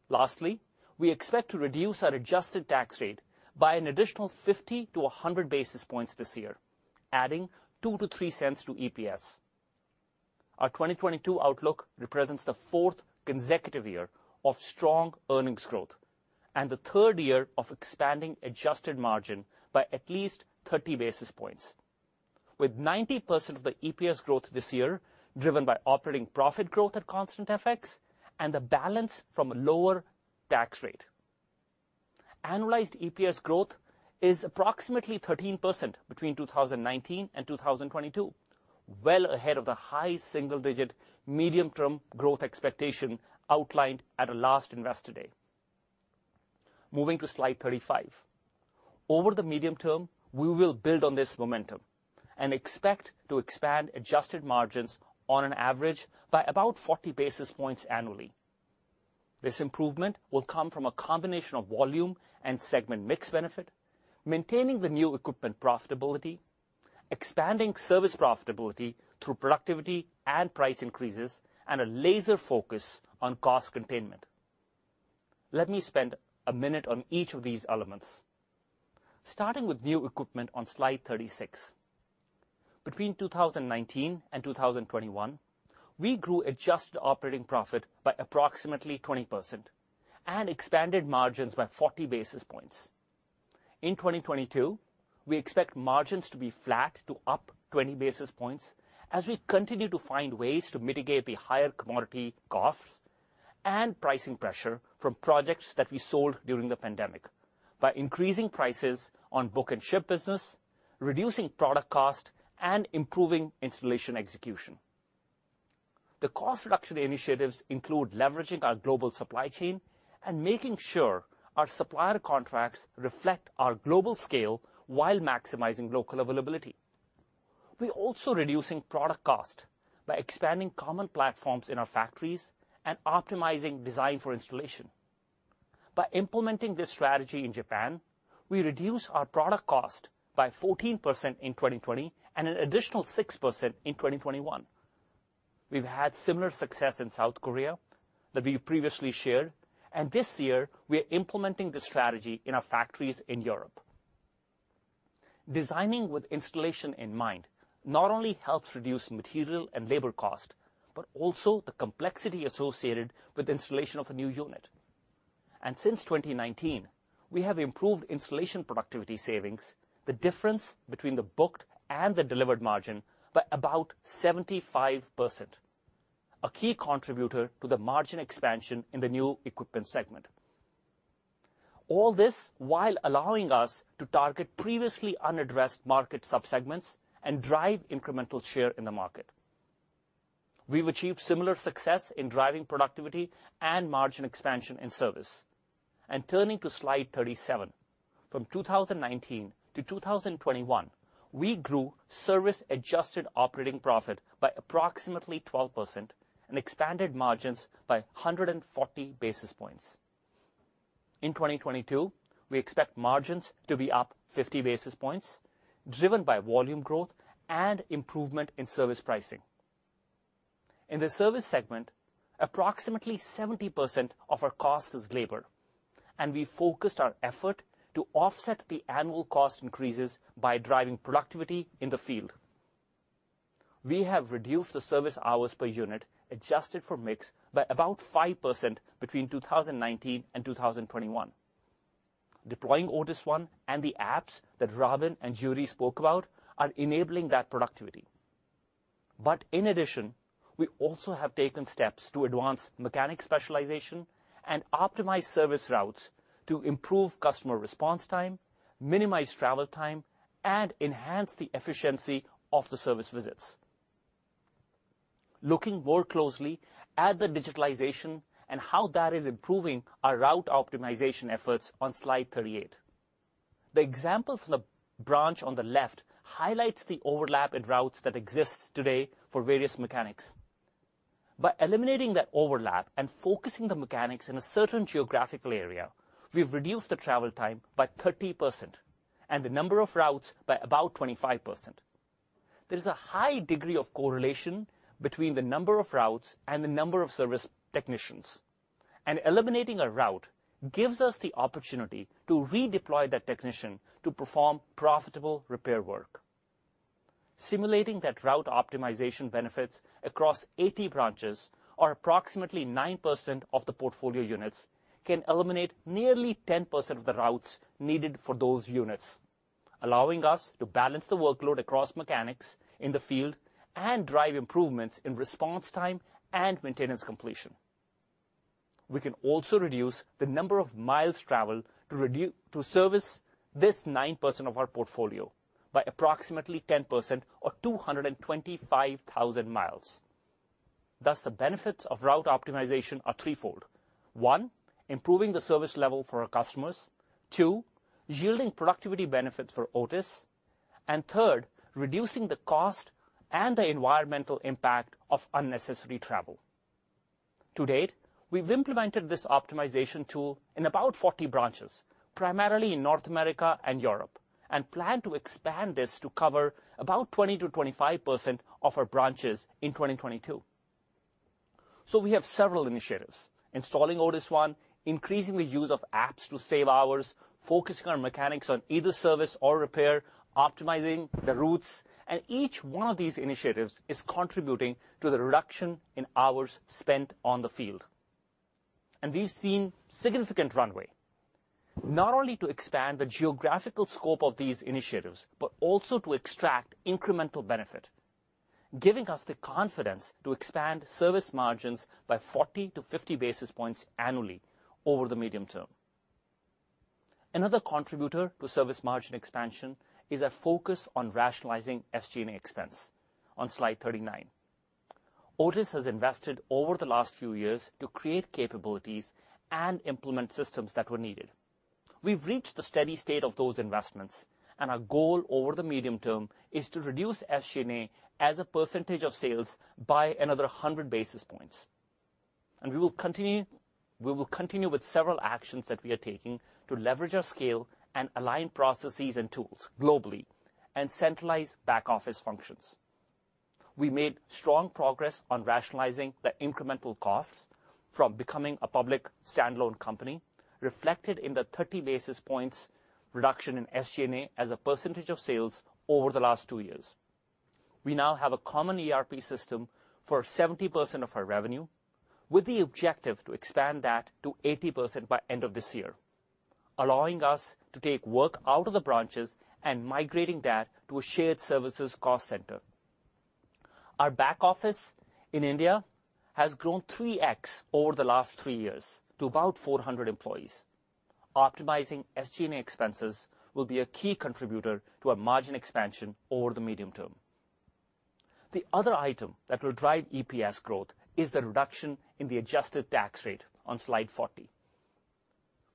Lastly, we expect to reduce our adjusted tax rate by an additional 50-100 basis points this year, adding $0.02-$0.03 to EPS. Our 2022 outlook represents the fourth consecutive year of strong earnings growth and the third year of expanding adjusted margin by at least 30 basis points, with 90% of the EPS growth this year driven by operating profit growth at constant FX and the balance from a lower tax rate. Annualized EPS growth is approximately 13% between 2019 and 2022, well ahead of the high single-digit medium-term growth expectation outlined at our last Investor Day. Moving to slide 35. Over the medium term, we will build on this momentum and expect to expand adjusted margins on an average by about 40 basis points annually. This improvement will come from a combination of volume and segment mix benefit, maintaining the New Equipment profitability, expanding service profitability through productivity and price increases, and a laser focus on cost containment. Let me spend a minute on each of these elements. Starting with New Equipment on slide 36. Between 2019 and 2021, we grew adjusted operating profit by approximately 20% and expanded margins by 40 basis points. In 2022, we expect margins to be flat to up 20 basis points as we continue to find ways to mitigate the higher commodity costs and pricing pressure from projects that we sold during the pandemic by increasing prices on book and ship business, reducing product cost, and improving installation execution. The cost reduction initiatives include leveraging our global supply chain and making sure our supplier contracts reflect our global scale while maximizing local availability. We're also reducing product cost by expanding common platforms in our factories and optimizing design for installation. By implementing this strategy in Japan, we reduce our product cost by 14% in 2020 and an additional 6% in 2021. We've had similar success in South Korea that we previously shared, and this year we are implementing the strategy in our factories in Europe. Designing with installation in mind not only helps reduce material and labor cost, but also the complexity associated with installation of a new unit. Since 2019, we have improved installation productivity savings, the difference between the booked and the delivered margin, by about 75%, a key contributor to the margin expansion in the New Equipment segment. All this while allowing us to target previously unaddressed market subsegments and drive incremental share in the market. We've achieved similar success in driving productivity and margin expansion in service. Turning to slide 37. From 2019 to 2021, we grew service-adjusted operating profit by approximately 12% and expanded margins by 140 basis points. In 2022, we expect margins to be up 50 basis points, driven by volume growth and improvement in service pricing. In the service segment, approximately 70% of our cost is labor, and we focused our effort to offset the annual cost increases by driving productivity in the field. We have reduced the service hours per unit adjusted for mix by about 5% between 2019 and 2021. Deploying Otis ONE and the apps that Robin and Judy spoke about are enabling that productivity. In addition, we also have taken steps to advance mechanic specialization and optimize service routes to improve customer response time, minimize travel time, and enhance the efficiency of the service visits. Looking more closely at the digitalization and how that is improving our route optimization efforts on slide 38. The example from the branch on the left highlights the overlap in routes that exists today for various mechanics. By eliminating that overlap and focusing the mechanics in a certain geographical area, we've reduced the travel time by 30% and the number of routes by about 25%. There is a high degree of correlation between the number of routes and the number of service technicians. Eliminating a route gives us the opportunity to redeploy that technician to perform profitable repair work. Simulating that route optimization benefits across 80 branches or approximately 9% of the portfolio units can eliminate nearly 10% of the routes needed for those units, allowing us to balance the workload across mechanics in the field and drive improvements in response time and maintenance completion. We can also reduce the number of miles traveled to service this 9% of our portfolio by approximately 10% or 225,000 miles. Thus, the benefits of route optimization are threefold. One, improving the service level for our customers. Two, yielding productivity benefits for Otis. Third, reducing the cost and the environmental impact of unnecessary travel. To date, we've implemented this optimization tool in about 40 branches, primarily in North America and Europe, and plan to expand this to cover about 20%-25% of our branches in 2022. We have several initiatives, installing Otis ONE, increasing the use of apps to save hours, focusing our mechanics on either service or repair, optimizing the routes, and each one of these initiatives is contributing to the reduction in hours spent on the field. We've seen significant runway, not only to expand the geographical scope of these initiatives, but also to extract incremental benefit, giving us the confidence to expand service margins by 40-50 basis points annually over the medium term. Another contributor to service margin expansion is a focus on rationalizing SG&A expense on slide 39. Otis has invested over the last few years to create capabilities and implement systems that were needed. We've reached the steady state of those investments, and our goal over the medium term is to reduce SG&A as a percentage of sales by another 100 basis points. We will continue with several actions that we are taking to leverage our scale and align processes and tools globally and centralize back-office functions. We made strong progress on rationalizing the incremental costs from becoming a public standalone company, reflected in the 30 basis points reduction in SG&A as a percentage of sales over the last two years. We now have a common ERP system for 70% of our revenue, with the objective to expand that to 80% by end of this year, allowing us to take work out of the branches and migrating that to a shared services cost center. Our back office in India has grown 3x over the last three years to about 400 employees. Optimizing SG&A expenses will be a key contributor to a margin expansion over the medium term. The other item that will drive EPS growth is the reduction in the adjusted tax rate on slide 40.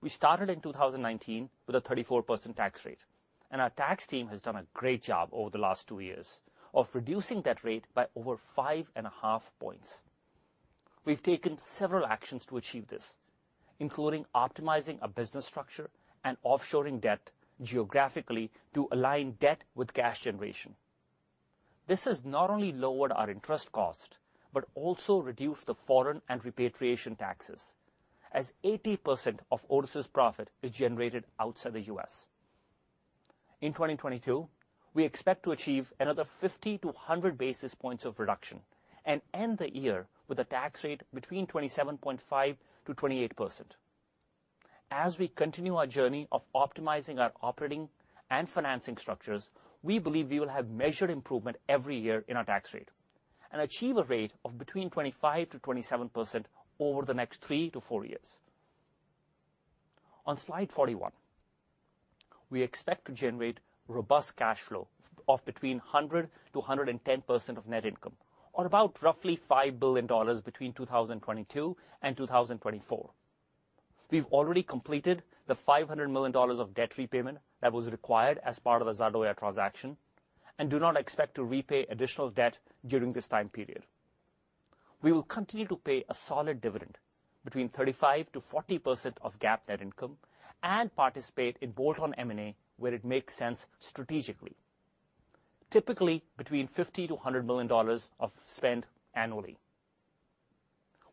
We started in 2019 with a 34% tax rate, and our tax team has done a great job over the last two years of reducing that rate by over 5.5 points. We've taken several actions to achieve this, including optimizing our business structure and offshoring debt geographically to align debt with cash generation. This has not only lowered our interest cost, but also reduced the foreign and repatriation taxes as 80% of Otis's profit is generated outside the U.S. In 2022, we expect to achieve another 50-100 basis points of reduction and end the year with a tax rate between 27.5%-28%. As we continue our journey of optimizing our operating and financing structures, we believe we will have measured improvement every year in our tax rate and achieve a rate of between 25%-27% over the next three-four years. On slide 41, we expect to generate robust cash flow of between 100%-110% of net income, or about roughly $5 billion between 2022 and 2024. We've already completed the $500 million of debt repayment that was required as part of the Zardoya Otis transaction and do not expect to repay additional debt during this time period. We will continue to pay a solid dividend between 35%-40% of GAAP net income and participate in bolt-on M&A where it makes sense strategically, typically between $50 million-$100 million of spend annually.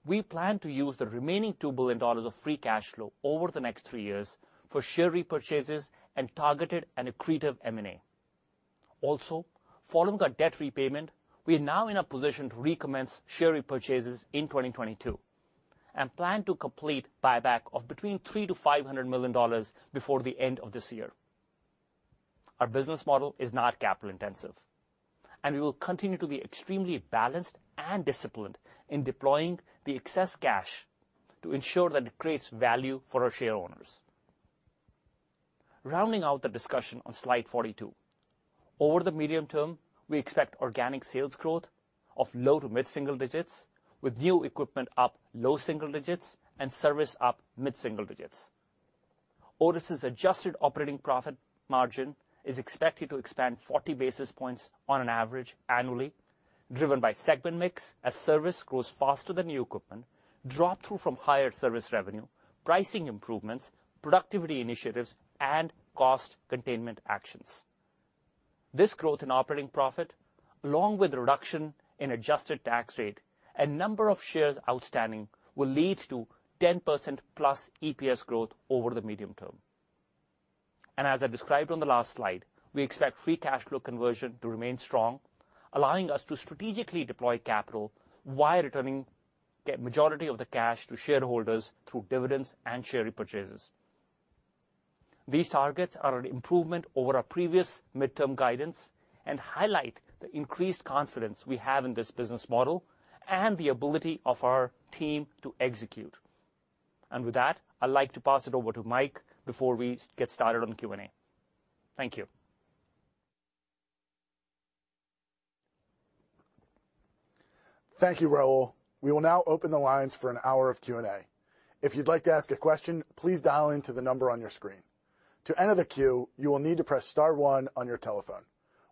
We plan to use the remaining $2 billion of free cash flow over the next three years for share repurchases and targeted and accretive M&A. Following our debt repayment, we are now in a position to recommence share repurchases in 2022 and plan to complete buyback of between $300 million-$500 million before the end of this year. Our business model is not capital-intensive, and we will continue to be extremely balanced and disciplined in deploying the excess cash to ensure that it creates value for our shareowners. Rounding out the discussion on slide 42, over the medium term, we expect organic sales growth of low- to mid-single digits, with New Equipment up low single digits and service up mid-single digits. Otis's adjusted operating profit margin is expected to expand 40 basis points on an average annually, driven by segment mix as service grows faster than New Equipment, drop-through from higher service revenue, pricing improvements, productivity initiatives, and cost containment actions. This growth in operating profit, along with the reduction in adjusted tax rate and number of shares outstanding, will lead to 10%+ EPS growth over the medium term. As I described on the last slide, we expect free cash flow conversion to remain strong, allowing us to strategically deploy capital while returning the majority of the cash to shareholders through dividends and share repurchases. These targets are an improvement over our previous midterm guidance and highlight the increased confidence we have in this business model and the ability of our team to execute. With that, I'd like to pass it over to Mike before we get started on the Q&A. Thank you. Thank you, Rahul. We will now open the lines for an hour of Q&A. If you'd like to ask a question, please dial into the number on your screen. To enter the queue, you will need to press star one on your telephone.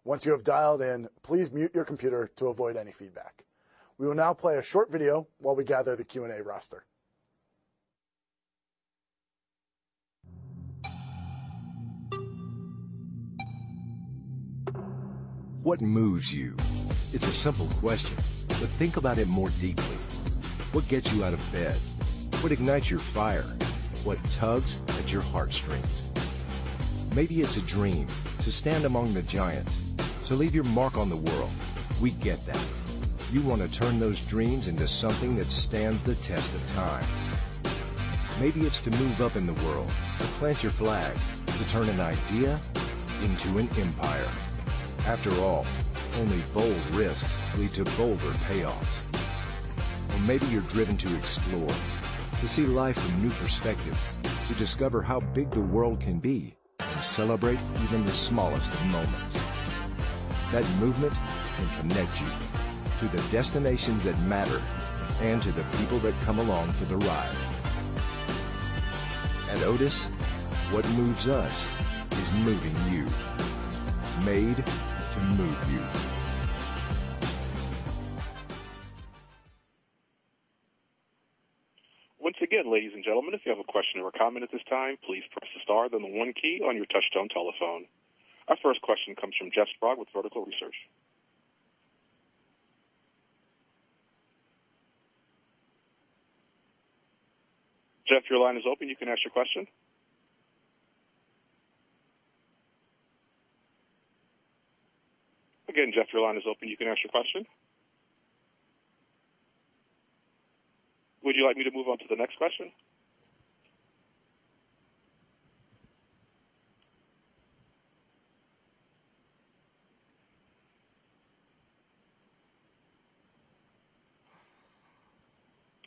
Once you have dialed in, please mute your computer to avoid any feedback. We will now play a short video while we gather the Q&A roster. What moves you? It's a simple question, but think about it more deeply. What gets you out of bed? What ignites your fire? What tugs at your heartstrings? Maybe it's a dream to stand among the giants, to leave your mark on the world. We get that. You want to turn those dreams into something that stands the test of time. Maybe it's to move up in the world, to plant your flag, to turn an idea into an empire. After all, only bold risks lead to bolder payoffs. Or maybe you're driven to explore, to see life from new perspectives, to discover how big the world can be and celebrate even the smallest of moments. That movement can connect you to the destinations that matter and to the people that come along for the ride. At Otis, what moves us is moving you. Made to move you. Once again, ladies and gentlemen, if you have a question or a comment at this time, please press the star, then the one key on your touchtone telephone. Our first question comes from Jeff Sprague with Vertical Research. Jeff, your line is open. You can ask your question. Again, Jeff, your line is open. You can ask your question. Would you like me to move on to the next question?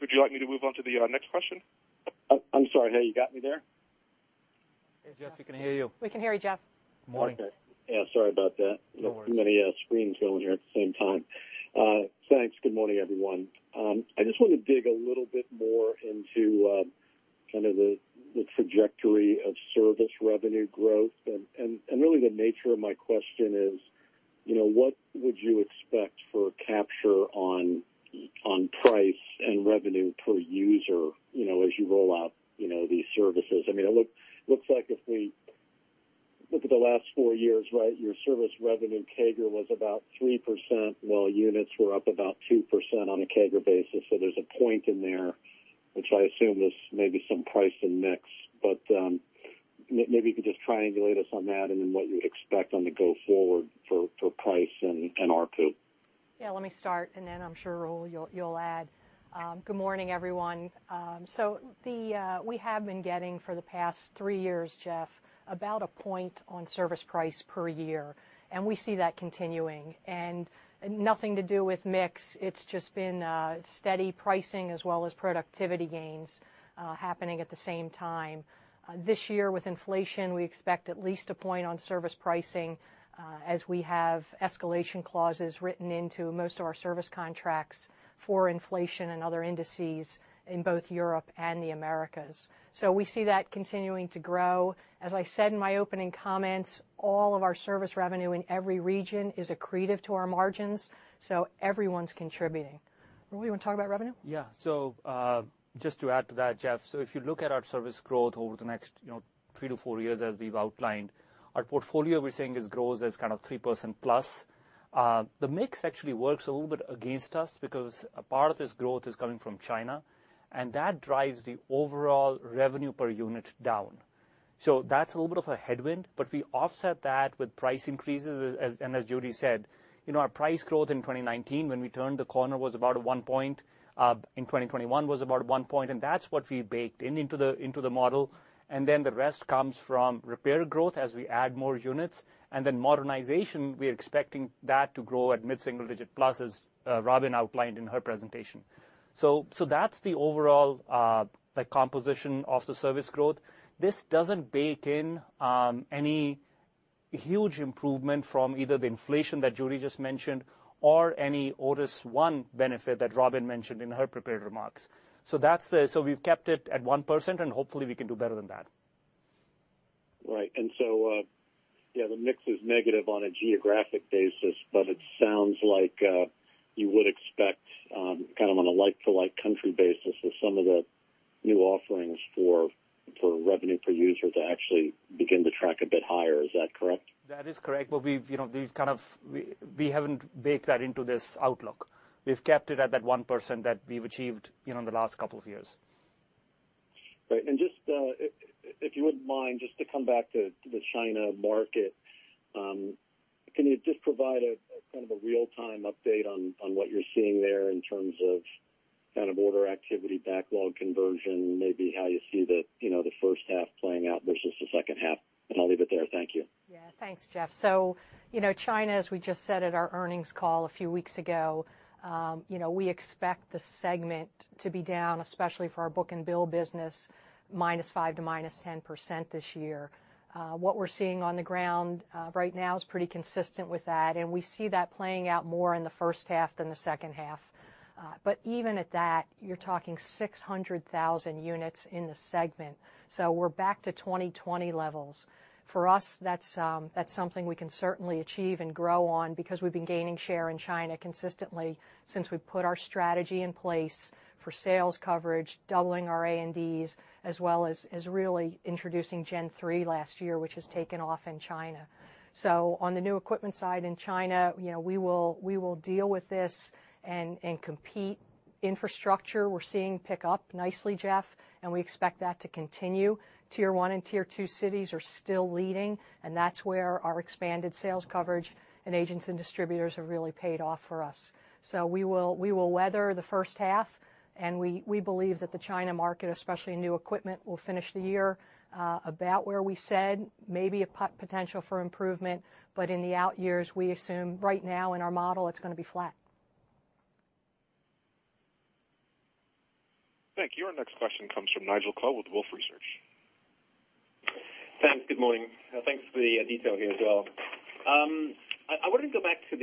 Would you like me to move on to the next question? I'm sorry. Hey, you got me there? Hey, Jeff, we can hear you. We can hear you, Jeff. Morning. Okay. Yeah, sorry about that. No worries. Too many screens going here at the same time. Thanks. Good morning, everyone. I just wanna dig a little bit more into kind of the trajectory of service revenue growth. Really the nature of my question is, you know, what would you expect for capture on price and revenue per user, you know, as you roll out these services? I mean, it looks like if we look at the last four years, right, your service revenue CAGR was about 3%, while units were up about 2% on a CAGR basis. So there's a point in there which I assume is maybe some price and mix. Maybe you could just triangulate us on that and then what you expect on the go forward for price and ARPU. Yeah, let me start, and then I'm sure, Rahul, you'll add. Good morning, everyone. We have been getting for the past three years, Jeff, about a point on service price per year, and we see that continuing. Nothing to do with mix. It's just been steady pricing as well as productivity gains happening at the same time. This year with inflation, we expect at least a point on service pricing, as we have escalation clauses written into most of our service contracts for inflation and other indices in both Europe and the Americas. We see that continuing to grow. As I said in my opening comments, all of our service revenue in every region is accretive to our margins, so everyone's contributing. Rahul, you want to talk about revenue? Yeah. Just to add to that, Jeff, if you look at our service growth over the next, you know, three-four years as we've outlined, our portfolio we're saying is grows as kind of 3%+. The mix actually works a little bit against us because a part of this growth is coming from China, and that drives the overall revenue per unit down. That's a little bit of a headwind, but we offset that with price increases as Judy said. You know, our price growth in 2019 when we turned the corner was about 1%, in 2021 was about 1%, and that's what we baked into the model. Then the rest comes from repair growth as we add more units. modernization, we're expecting that to grow at mid-single digit plus, as Robin outlined in her presentation. That's the overall, like, composition of the service growth. This doesn't bake in any huge improvement from either the inflation that Judy just mentioned or any Otis ONE benefit that Robin mentioned in her prepared remarks. We've kept it at 1%, and hopefully we can do better than that. Right. Yeah, the mix is negative on a geographic basis, but it sounds like you would expect kind of on a like-for-like country basis with some of the new offerings for revenue per user to actually begin to track a bit higher. Is that correct? That is correct. We've, you know, we haven't baked that into this outlook. We've kept it at that 1% that we've achieved, you know, in the last couple of years. Right. Just if you wouldn't mind, just to come back to the China market, can you just provide a kind of real-time update on what you're seeing there in terms of kind of order activity, backlog conversion, maybe how you see you know the first half playing out versus the second half? I'll leave it there. Thank you. Yeah. Thanks, Jeff. You know, China, as we just said at our earnings call a few weeks ago, you know, we expect the segment to be down, especially for our book and bill business, -5% to -10% this year. What we're seeing on the ground right now is pretty consistent with that, and we see that playing out more in the first half than the second half. But even at that, you're talking 600,000 units in the segment, so we're back to 2020 levels. For us, that's something we can certainly achieve and grow on because we've been gaining share in China consistently since we put our strategy in place for sales coverage, doubling our A&Ds, as well as really introducing Gen3 last year, which has taken off in China. On the New Equipment side in China, you know, we will deal with this and compete. Infrastructure we're seeing pick up nicely, Jeff, and we expect that to continue. Tier one and tier two cities are still leading, and that's where our expanded sales coverage and agents and distributors have really paid off for us. We will weather the first half, and we believe that the China market, especially New Equipment, will finish the year about where we said, maybe a potential for improvement. In the out years, we assume right now in our model it's gonna be flat. Thank you. Our next question comes from Nigel Coe with Wolfe Research. Thanks. Good morning. Thanks for the detail here as well. I wanna go back to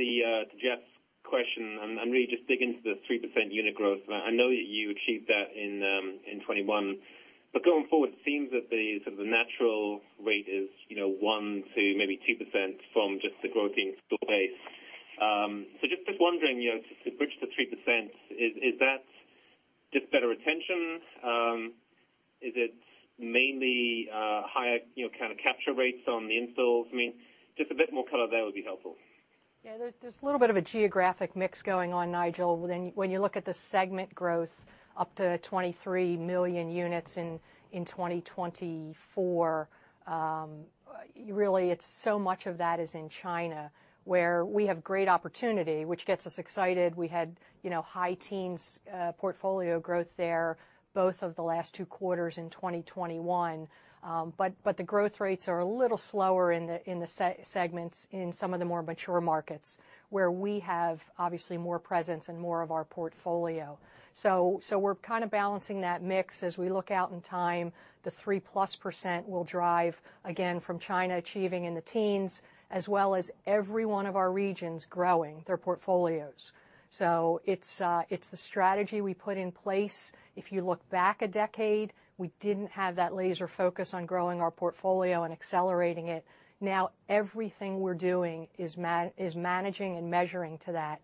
Jeff's question and really just dig into the 3% unit growth. I know that you achieved that in 2021, but going forward, it seems that the natural rate is, you know, 1% to maybe 2% from just the growing installed base. So just wondering, you know, to bridge the 3%, is that just better retention? Is it mainly higher, you know, kinda capture rates on the installs? I mean, just a bit more color there would be helpful. Yeah. There's a little bit of a geographic mix going on, Nigel, when you look at the segment growth up to 23 million units in 2024. Really it's so much of that is in China, where we have great opportunity, which gets us excited. We had, you know, high teens portfolio growth there both of the last two quarters in 2021. But the growth rates are a little slower in the segments in some of the more mature markets, where we have, obviously, more presence and more of our portfolio. We're kinda balancing that mix as we look out in time. The 3%+ will drive, again, from China achieving in the teens, as well as every one of our regions growing their portfolios. It's the strategy we put in place. If you look back a decade, we didn't have that laser focus on growing our portfolio and accelerating it. Now, everything we're doing is managing and measuring to that.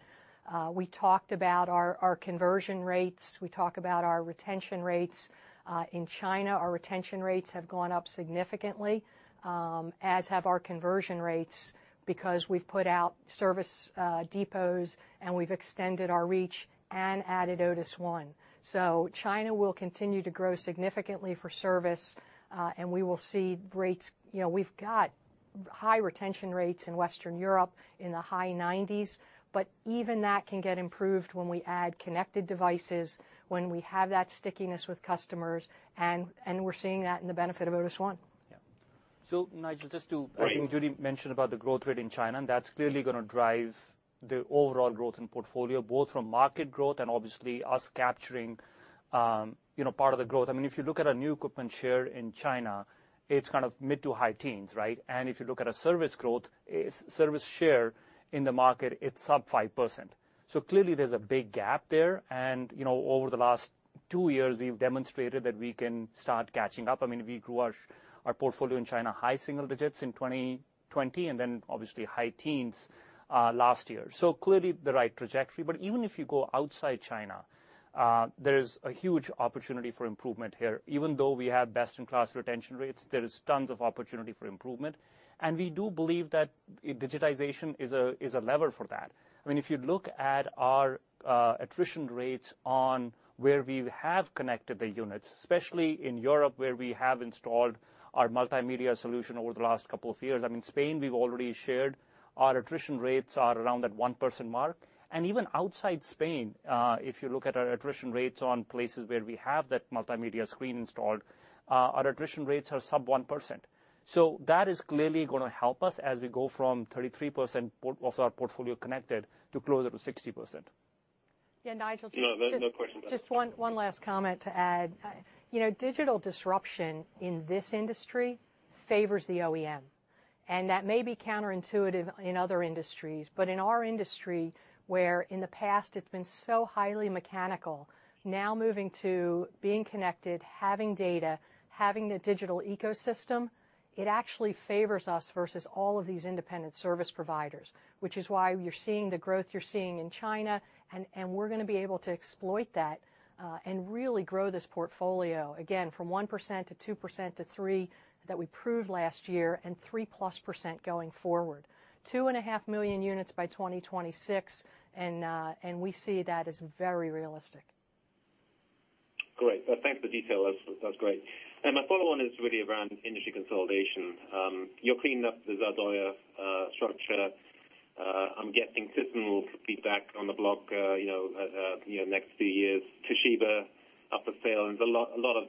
We talked about our conversion rates. We talk about our retention rates. In China, our retention rates have gone up significantly, as have our conversion rates because we've put out service depots, and we've extended our reach and added Otis ONE. China will continue to grow significantly for service, and we will see rates. You know, we've got high retention rates in Western Europe in the high 90s, but even that can get improved when we add connected devices, when we have that stickiness with customers, and we're seeing that in the benefit of Otis ONE. Yeah. Nigel, just to Great. I think Judy mentioned about the growth rate in China, and that's clearly gonna drive the overall growth in portfolio, both from market growth and obviously us capturing, you know, part of the growth. I mean, if you look at our New Equipment share in China, it's kind of mid- to high teens, right? If you look at our service growth, service share in the market, it's sub-5%. Clearly there's a big gap there, and, you know, over the last two years we've demonstrated that we can start catching up. I mean, we grew our portfolio in China high single digits in 2020 and then obviously high teens last year. Clearly the right trajectory. Even if you go outside China, there is a huge opportunity for improvement here. Even though we have best-in-class retention rates, there is tons of opportunity for improvement, and we do believe that digitization is a lever for that. I mean, if you look at our attrition rates on where we have connected the units, especially in Europe where we have installed our multimedia solution over the last couple of years, I mean, Spain we've already shared, our attrition rates are around that 1% mark. Even outside Spain, if you look at our attrition rates on places where we have that multimedia screen installed, our attrition rates are sub 1%. That is clearly gonna help us as we go from 33% of our portfolio connected to closer to 60%. Yeah, Nigel, just No question. Just one last comment to add. You know, digital disruption in this industry favors the OEM, and that may be counterintuitive in other industries. In our industry, where in the past it's been so highly mechanical, now moving to being connected, having data, having the digital ecosystem, it actually favors us versus all of these independent service providers, which is why you're seeing the growth you're seeing in China and we're gonna be able to exploit that and really grow this portfolio, again, from 1% to 2% to 3% that we proved last year and 3%+ going forward. 2.5 million units by 2026, and we see that as very realistic. Great. Well, thanks for the detail. That's great. My follow on is really around industry consolidation. You're cleaning up the Zardoya structure. I'm guessing Thyssen will be back on the block next few years. Toshiba up for sale and a lot of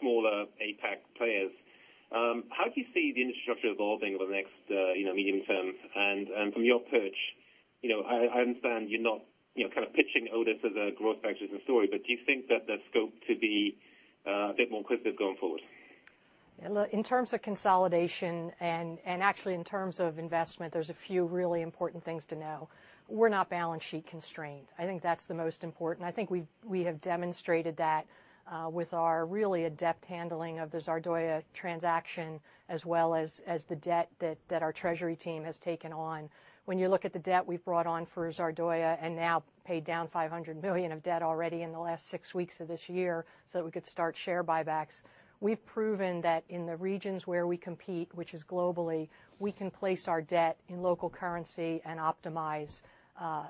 smaller APAC players. How do you see the industry structure evolving over the next medium term? From your perch, I understand you're not kind of pitching Otis as a growth purchaser story, but do you think that there's scope to be a bit more acquisitive going forward? Look, in terms of consolidation and actually in terms of investment, there's a few really important things to know. We're not balance sheet constrained. I think that's the most important. I think we have demonstrated that with our really adept handling of the Zardoya transaction as well as the debt that our treasury team has taken on. When you look at the debt we've brought on for Zardoya and now paid down $500 million of debt already in the last six weeks of this year so that we could start share buybacks, we've proven that in the regions where we compete, which is globally, we can place our debt in local currency and optimize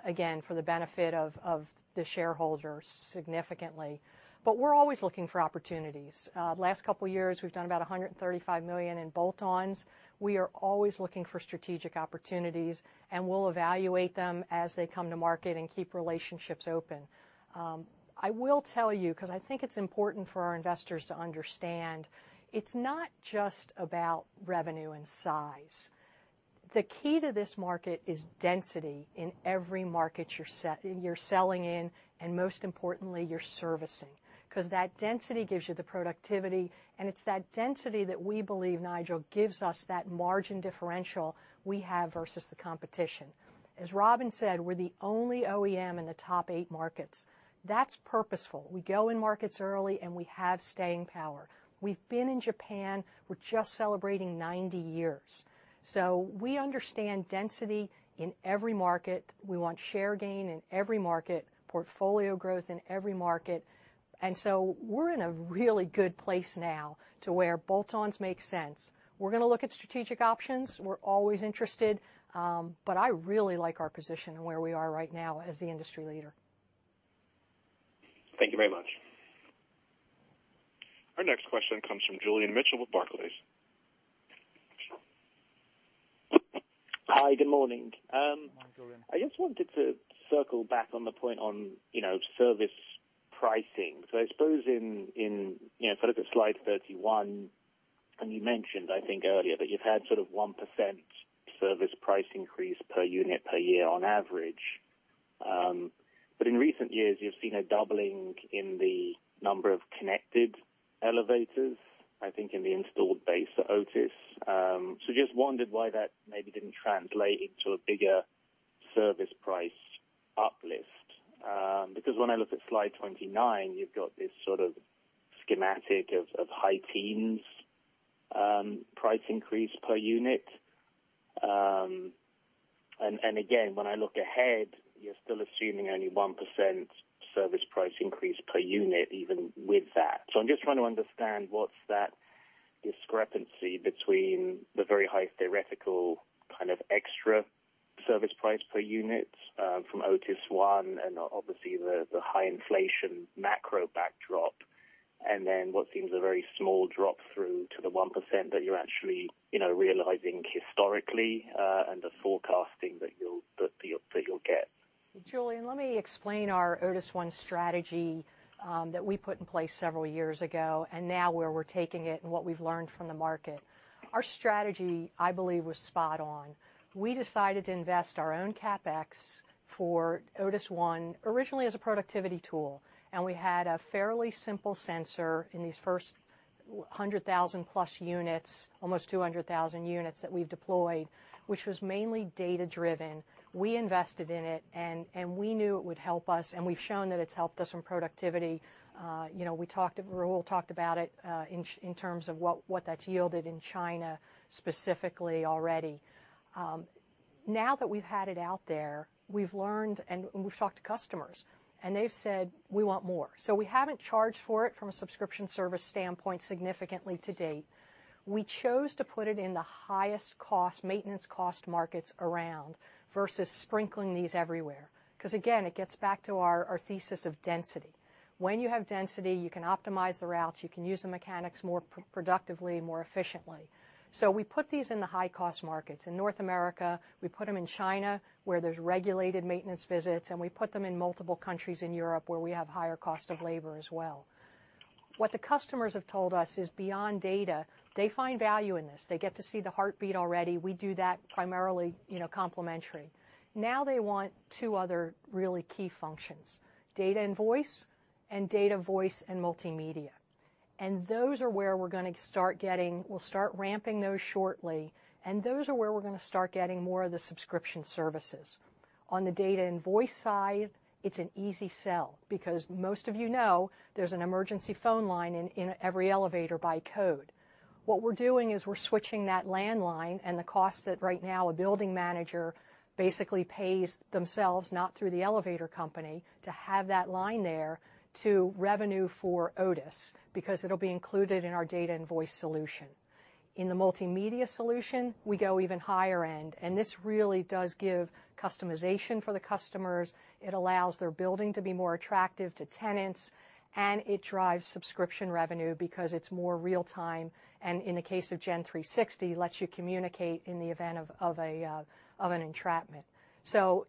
again for the benefit of the shareholders significantly. We're always looking for opportunities. Last couple years we've done about $135 million in bolt-ons. We are always looking for strategic opportunities, and we'll evaluate them as they come to market and keep relationships open. I will tell you, 'cause I think it's important for our investors to understand, it's not just about revenue and size. The key to this market is density in every market you're selling in and most importantly, you're servicing. Because that density gives you the productivity, and it's that density that we believe, Nigel, gives us that margin differential we have versus the competition. As Robin said, we're the only OEM in the top eight markets. That's purposeful. We go in markets early, and we have staying power. We've been in Japan, we're just celebrating 90 years. So we understand density in every market. We want share gain in every market, portfolio growth in every market. We're in a really good place now to where bolt-ons make sense. We're gonna look at strategic options. We're always interested, but I really like our position and where we are right now as the industry leader. Thank you very much. Our next question comes from Julian Mitchell with Barclays. Hi, good morning. Good morning, Julian. I just wanted to circle back on the point on, you know, service pricing. I suppose in, you know, if I look at slide 31, and you mentioned, I think earlier, that you've had sort of 1% service price increase per unit per year on average. But in recent years, you've seen a doubling in the number of connected elevators, I think, in the installed base at Otis. So just wondered why that maybe didn't translate into a bigger service price uplift. Because when I look at slide 29, you've got this sort of schematic of high teens price increase per unit. And again, when I look ahead, you're still assuming only 1% service price increase per unit even with that. I'm just trying to understand what's that discrepancy between the very high theoretical kind of extra service price per unit from Otis ONE and obviously the high inflation macro backdrop, and then what seems a very small drop through to the 1% that you're actually, you know, realizing historically, and the forecasting that you'll get. Julian, let me explain our Otis ONE strategy that we put in place several years ago and now where we're taking it and what we've learned from the market. Our strategy, I believe, was spot on. We decided to invest our own CapEx for Otis ONE originally as a productivity tool, and we had a fairly simple sensor in these first 100,000-plus units, almost 200,000 units that we've deployed, which was mainly data-driven. We invested in it, and we knew it would help us, and we've shown that it's helped us in productivity. You know, we talked. Rahul talked about it in terms of what that's yielded in China specifically already. Now that we've had it out there, we've learned, and we've talked to customers, and they've said, "We want more." We haven't charged for it from a subscription service standpoint significantly to date. We chose to put it in the highest cost, maintenance cost markets around versus sprinkling these everywhere 'cause again, it gets back to our thesis of density. When you have density, you can optimize the routes, you can use the mechanics more productively, more efficiently. We put these in the high-cost markets. In North America, we put them in China, where there's regulated maintenance visits, and we put them in multiple countries in Europe, where we have higher cost of labor as well. What the customers have told us is, beyond data, they find value in this. They get to see the heartbeat already. We do that primarily, you know, complementary. Now they want two other really key functions, data, voice, and multimedia. Those are where we're gonna start getting more of the subscription services. We'll start ramping those shortly. On the data and voice side, it's an easy sell because most of you know there's an emergency phone line in every elevator by code. What we're doing is we're switching that landline, and the cost that right now a building manager basically pays themselves, not through the elevator company, to have that line there into revenue for Otis because it'll be included in our data and voice solution. In the multimedia solution, we go even higher end, and this really does give customization for the customers. It allows their building to be more attractive to tenants, and it drives subscription revenue because it's more real time, and in the case of Gen360, lets you communicate in the event of an entrapment.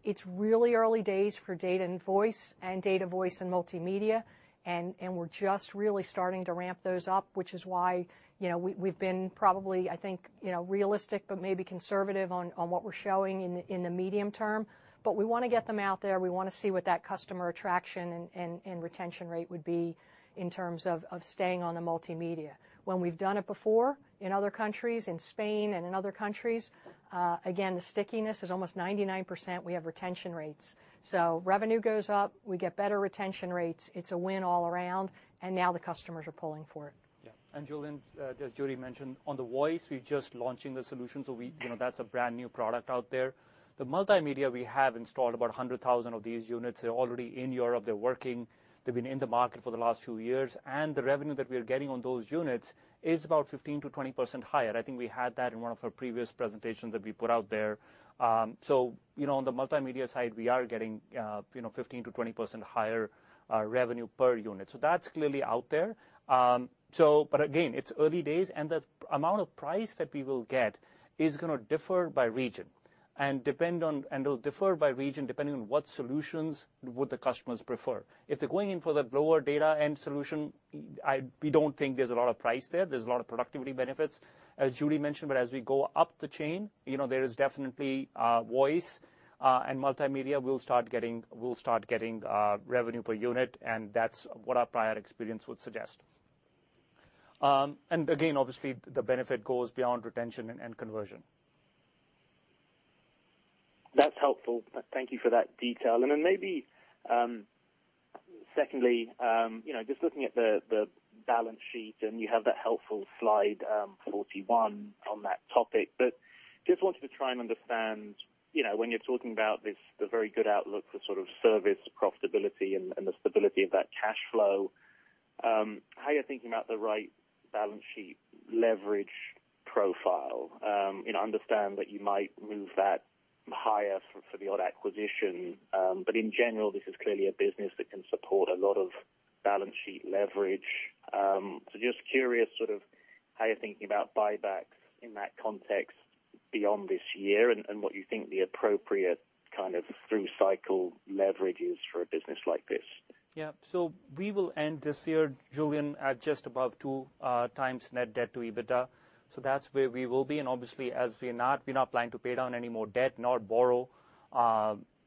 It's really early days for data and voice, and multimedia, and we're just really starting to ramp those up, which is why, you know, we've been probably, I think, realistic but maybe conservative on what we're showing in the medium term. We wanna get them out there. We wanna see what that customer attraction and retention rate would be in terms of staying on the multimedia. When we've done it before in other countries, in Spain and in other countries, the stickiness is almost 99% we have retention rates. Revenue goes up. We get better retention rates. It's a win all around, and now the customers are pulling for it. Yeah. Julian, as Judy mentioned, on the voice, we're just launching the solution, so you know, that's a brand-new product out there. The multimedia, we have installed about 100,000 of these units. They're already in Europe. They're working. They've been in the market for the last few years, and the revenue that we are getting on those units is about 15%-20% higher. I think we had that in one of our previous presentations that we put out there. You know, on the multimedia side, we are getting, you know, 15%-20% higher, revenue per unit. That's clearly out there. But again, it's early days, and the amount of price that we will get is gonna differ by region. It'll differ by region depending on what solutions would the customers prefer. If they're going in for the lower data end solution, we don't think there's a lot of price there. There's a lot of productivity benefits, as Judy mentioned. As we go up the chain, you know, there is definitely voice and multimedia. We'll start getting revenue per unit, and that's what our prior experience would suggest. Again, obviously, the benefit goes beyond retention and conversion. That's helpful. Thank you for that detail. Then maybe secondly, you know, just looking at the balance sheet, and you have that helpful slide 41 on that topic. But just wanted to try and understand, you know, when you're talking about this, the very good outlook for sort of service profitability and the stability of that cash flow, how you're thinking about the right balance sheet leverage profile. You know, understand that you might move that higher for the odd acquisition, but in general, this is clearly a business that can support a lot of balance sheet leverage. Just curious sort of how you're thinking about buybacks in that context beyond this year and what you think the appropriate kind of through cycle leverage is for a business like this. Yeah. We will end this year, Julian, at just above two times net debt to EBITDA. That's where we will be, and obviously, as we're not planning to pay down any more debt, nor borrow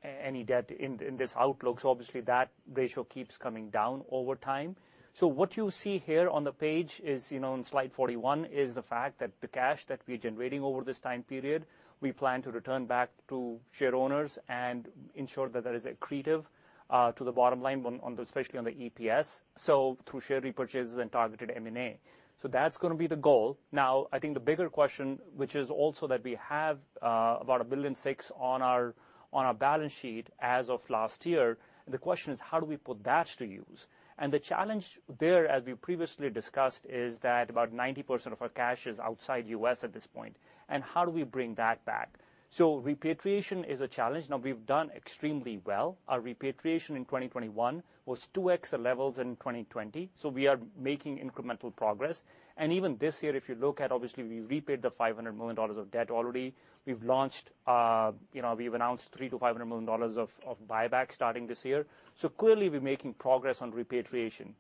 any debt in this outlook, so obviously, that ratio keeps coming down over time. What you see here on the page is, you know, on slide 41, the fact that the cash that we're generating over this time period, we plan to return back to shareowners and ensure that that is accretive to the bottom line, especially on the EPS, so through share repurchases and targeted M&A. That's gonna be the goal. I think the bigger question, which is also that we have about $1.6 billion on our balance sheet as of last year, is how do we put that to use. The challenge there, as we previously discussed, is that about 90% of our cash is outside the U.S. at this point, and how do we bring that back. Repatriation is a challenge. Now, we've done extremely well. Our repatriation in 2021 was 2x the levels in 2020, so we are making incremental progress. Even this year, if you look at, obviously, we've repaid $500 million of debt already. We've announced $300 million-$500 million of buyback starting this year. Clearly we're making progress on repatriation.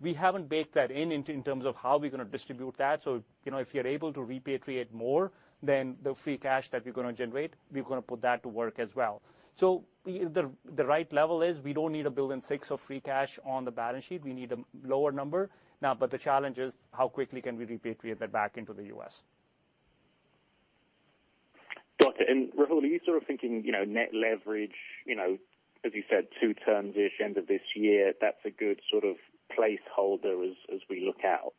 We haven't baked that in in terms of how we're gonna distribute that. You know, if you're able to repatriate more, then the free cash that we're gonna generate, we're gonna put that to work as well. The right level is we don't need $1.6 billion of free cash on the balance sheet. We need a lower number. Now, the challenge is how quickly can we repatriate that back into the U.S. Got it. Rahul, are you sort of thinking, you know, net leverage, you know, as you said, 2x-ish end of this year, that's a good sort of placeholder as we look out?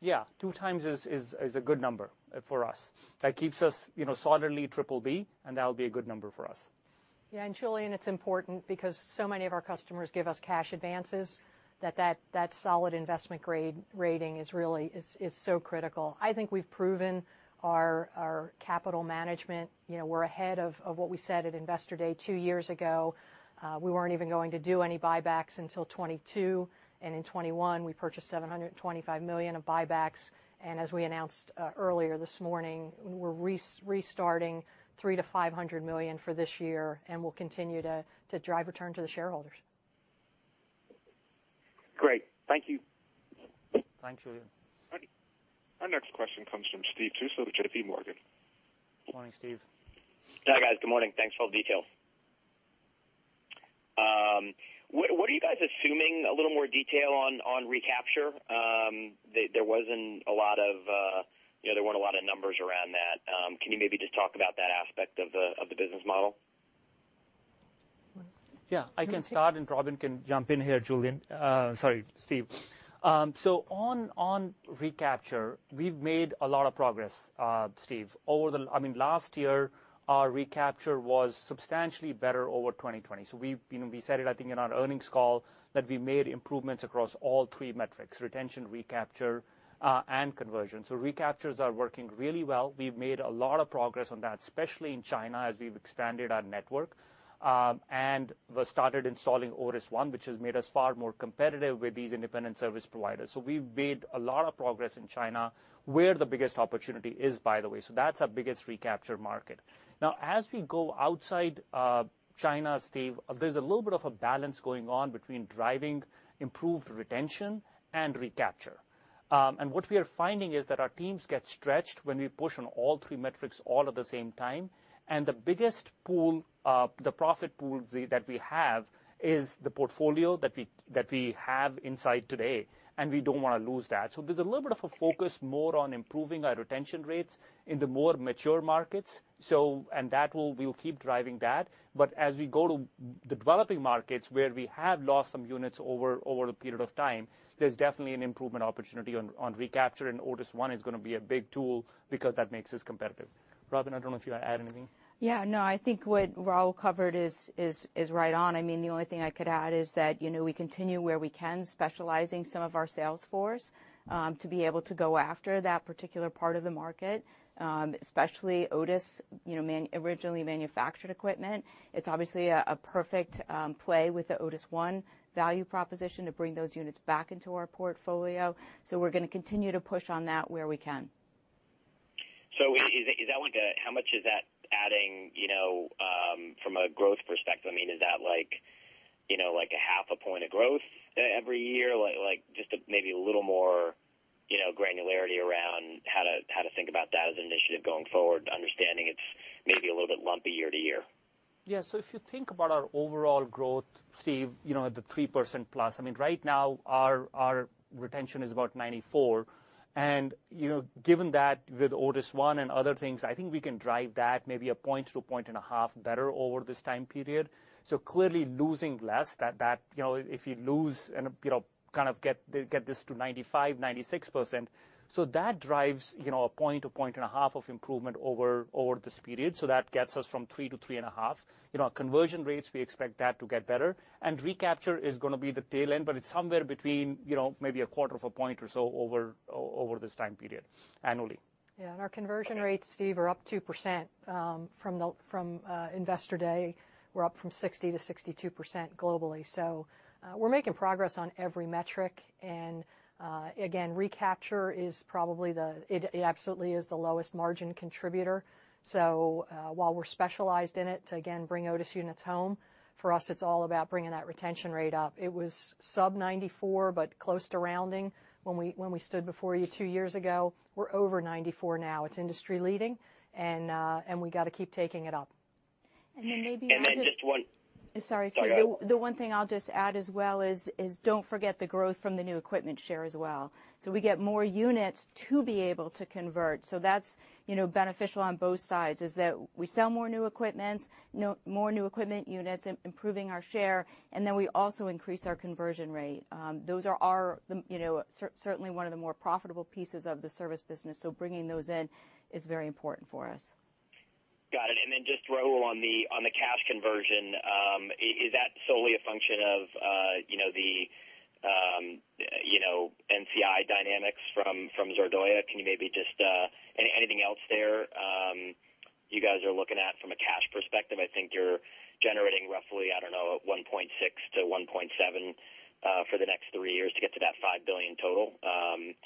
Yeah. 2x is a good number for us. That keeps us, you know, solidly BBB and that'll be a good number for us. Yeah. Julian, it's important because so many of our customers give us cash advances that solid investment grade rating is really so critical. I think we've proven our capital management. You know, we're ahead of what we said at Investor Day two years ago. We weren't even going to do any buybacks until 2022, and in 2021, we purchased $725 million of buybacks. As we announced earlier this morning, we're restarting $300 million-$500 million for this year, and we'll continue to drive return to the shareholders. Great. Thank you. Thanks, Julian. Our next question comes from Steve Tusa with JPMorgan. Morning, Steve. Yeah, guys. Good morning. Thanks for all the detail. What are you guys assuming a little more detail on recapture? There weren't a lot of numbers around that. Can you maybe just talk about that aspect of the business model? Rahul? I can start, and Robin can jump in here, Julian. Sorry, Steve. On recapture, we've made a lot of progress, Steve. Last year, our recapture was substantially better over 2020. We've, you know, we said it, I think, in our earnings call that we made improvements across all three metrics, retention, recapture, and conversion. Recaptures are working really well. We've made a lot of progress on that, especially in China, as we've expanded our network, and we've started installing Otis ONE, which has made us far more competitive with these independent service providers. We've made a lot of progress in China, where the biggest opportunity is, by the way. That's our biggest recapture market. Now, as we go outside China, Steve, there's a little bit of a balance going on between driving improved retention and recapture. What we are finding is that our teams get stretched when we push on all three metrics all at the same time, and the biggest pool, the profit pool that we have inside today, and we don't wanna lose that. There's a little bit of a focus more on improving our retention rates in the more mature markets, and that will keep driving that. But as we go to the developing markets, where we have lost some units over a period of time, there's definitely an improvement opportunity on recapture, and Otis ONE is gonna be a big tool because that makes us competitive. Robin, I don't know if you wanna add anything. Yeah. No. I think what Rahul covered is right on. I mean, the only thing I could add is that, you know, we continue where we can, specializing some of our sales force, to be able to go after that particular part of the market, especially Otis, you know, originally manufactured equipment. It's obviously a perfect play with the Otis ONE value proposition to bring those units back into our portfolio. We're gonna continue to push on that where we can. Is that like a... How much is that adding, you know, from a growth perspective? I mean, is that like, you know, like a half a point of growth every year? Like, just maybe a little more, you know, granularity around how to think about that as an initiative going forward, understanding it's maybe a little bit lumpy year to year. Yeah. If you think about our overall growth, Steve, you know, the 3% plus, I mean, right now our retention is about 94%. You know, given that with Otis ONE and other things, I think we can drive that maybe a point to a point and a half better over this time period. Clearly losing less that, you know, if you lose and, you know, kind of get this to 95%-96%. That drives, you know, a point to a point and a half of improvement over this period. That gets us from 3% to 3.5%. You know, conversion rates, we expect that to get better and recapture is gonna be the tail end, but it's somewhere between, you know, maybe a quarter of a point or so over this time period annually. Yeah. Our conversion rates, Steve, are up 2%, from Investor Day. We're up from 60% to 62% globally. We're making progress on every metric. Again, recapture is probably it. It absolutely is the lowest margin contributor. While we're specialized in it to again bring Otis units home, for us it's all about bringing that retention rate up. It was sub 94, but close to rounding when we stood before you two years ago. We're over 94 now. It's industry leading, and we gotta keep taking it up. Maybe I'll just. Just one- Sorry, Steve. Go ahead. The one thing I'll just add as well is don't forget the growth from the New Equipment share as well. We get more units to be able to convert. That's, you know, beneficial on both sides is that we sell more New Equipment units, improving our share, and then we also increase our conversion rate. Those are our, you know, certainly one of the more profitable pieces of the service business, so bringing those in is very important for us. Got it. Just Rahul, on the cash conversion, is that solely a function of, you know, the NCI dynamics from Zardoya Otis? Can you maybe just anything else there you guys are looking at from a cash perspective? I think you're generating roughly, I don't know, 1.6-1.7 for the next three years to get to that $5 billion total. Anything else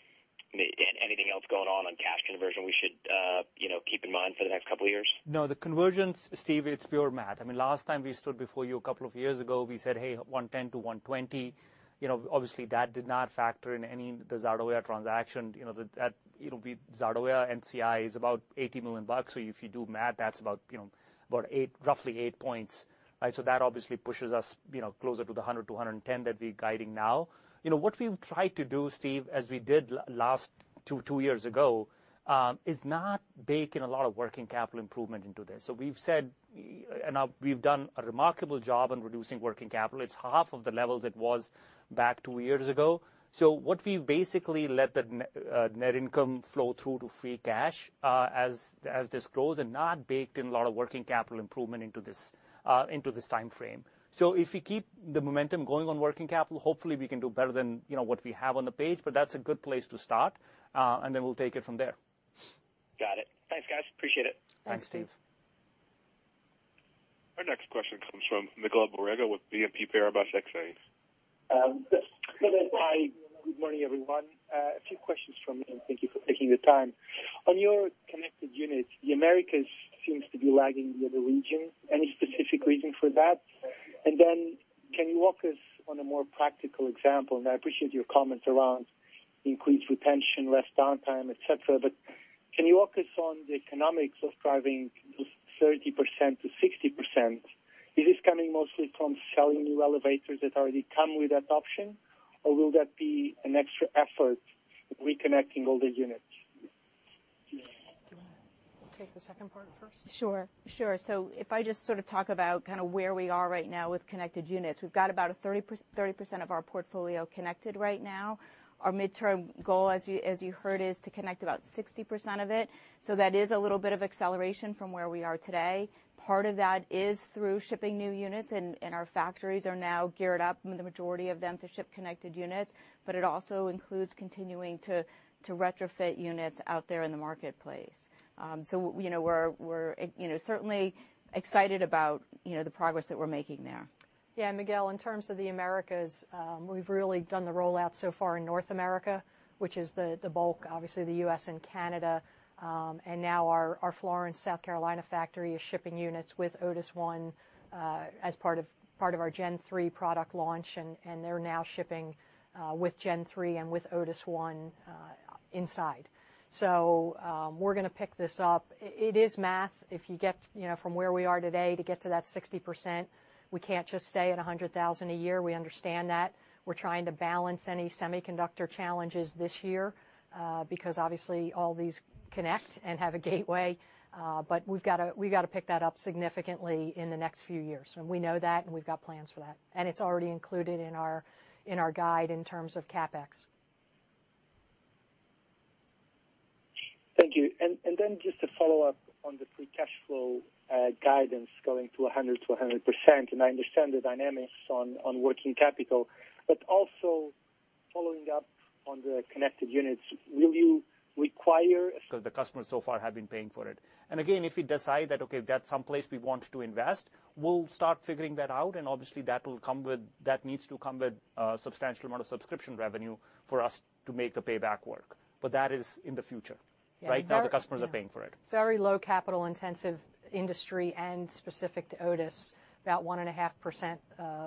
going on cash conversion we should, you know, keep in mind for the next couple of years? No, the conversions, Steve, it's pure math. I mean, last time we stood before you a couple of years ago, we said, "Hey, 110 to 120." You know, obviously that did not factor in any of the Zardoya transaction. You know, that, it'll be Zardoya NCI is about $80 million. So if you do math, that's about, you know, about eight, roughly 8 points. Right? So that obviously pushes us, you know, closer to the 100 to 110 that we're guiding now. You know, what we've tried to do, Steve, as we did last two years ago, is not bake in a lot of working capital improvement into this. So we've said and now we've done a remarkable job in reducing working capital. It's half of the level it was back two years ago. What we've basically let the net income flow through to free cash, as this grows and not baked in a lot of working capital improvement into this timeframe. If we keep the momentum going on working capital, hopefully we can do better than, you know, what we have on the page, but that's a good place to start, and then we'll take it from there. Got it. Thanks, guys. Appreciate it. Thanks. Thanks, Steve. Our next question comes from Miguel Borrega with BNP Paribas Exane. Hi, good morning, everyone. A few questions from me, and thank you for taking the time. On your connected units, the Americas seems to be lagging the other regions. Any specific reason for that? Then can you walk us on a more practical example? I appreciate your comments around increased retention, less downtime, et cetera. Can you walk us on the economics of driving this 30%-60%? Is this coming mostly from selling new elevators that already come with that option, or will that be an extra effort reconnecting all the units? Do you wanna take the second part first? If I just sort of talk about kinda where we are right now with connected units. We've got about 30% of our portfolio connected right now. Our midterm goal, as you heard, is to connect about 60% of it. That is a little bit of acceleration from where we are today. Part of that is through shipping new units, and our factories are now geared up, the majority of them, to ship connected units. But it also includes continuing to retrofit units out there in the marketplace. You know, we're certainly excited about the progress that we're making there. Yeah, Miguel Borrega, in terms of the Americas, we've really done the rollout so far in North America, which is the bulk, obviously the U.S. and Canada. And now our Florence, South Carolina factory is shipping units with Otis ONE, as part of our Gen3 product launch, and they're now shipping with Gen3 and with Otis ONE inside. We're gonna pick this up. It is math. If you get, you know, from where we are today to get to that 60%, we can't just stay at 100,000 a year. We understand that. We're trying to balance any semiconductor challenges this year, because obviously all these connect and have a gateway. We've gotta pick that up significantly in the next few years, and we know that, and we've got plans for that. It's already included in our guide in terms of CapEx. Thank you. Just to follow up on the free cash flow guidance going to 100%, I understand the dynamics on working capital, but also following up on the connected units, will you require- Because the customers so far have been paying for it. Again, if we decide that, okay, that's someplace we want to invest, we'll start figuring that out, and obviously that needs to come with a substantial amount of subscription revenue for us to make the payback work. That is in the future. Yeah. Right now, the customers are paying for it. Very low capital-intensive industry and specific to Otis. About 1.5%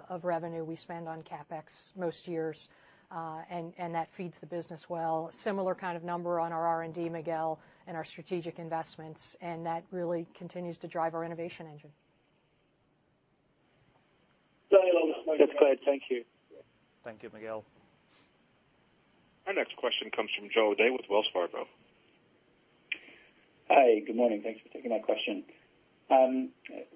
of revenue we spend on CapEx most years, and that feeds the business well. Similar kind of number on our R&D, Miguel, and our strategic investments, and that really continues to drive our innovation engine. That's clear. Thank you. Thank you, Miguel. Our next question comes from Joe O'Dea with Wells Fargo. Hi, good morning. Thanks for taking my question.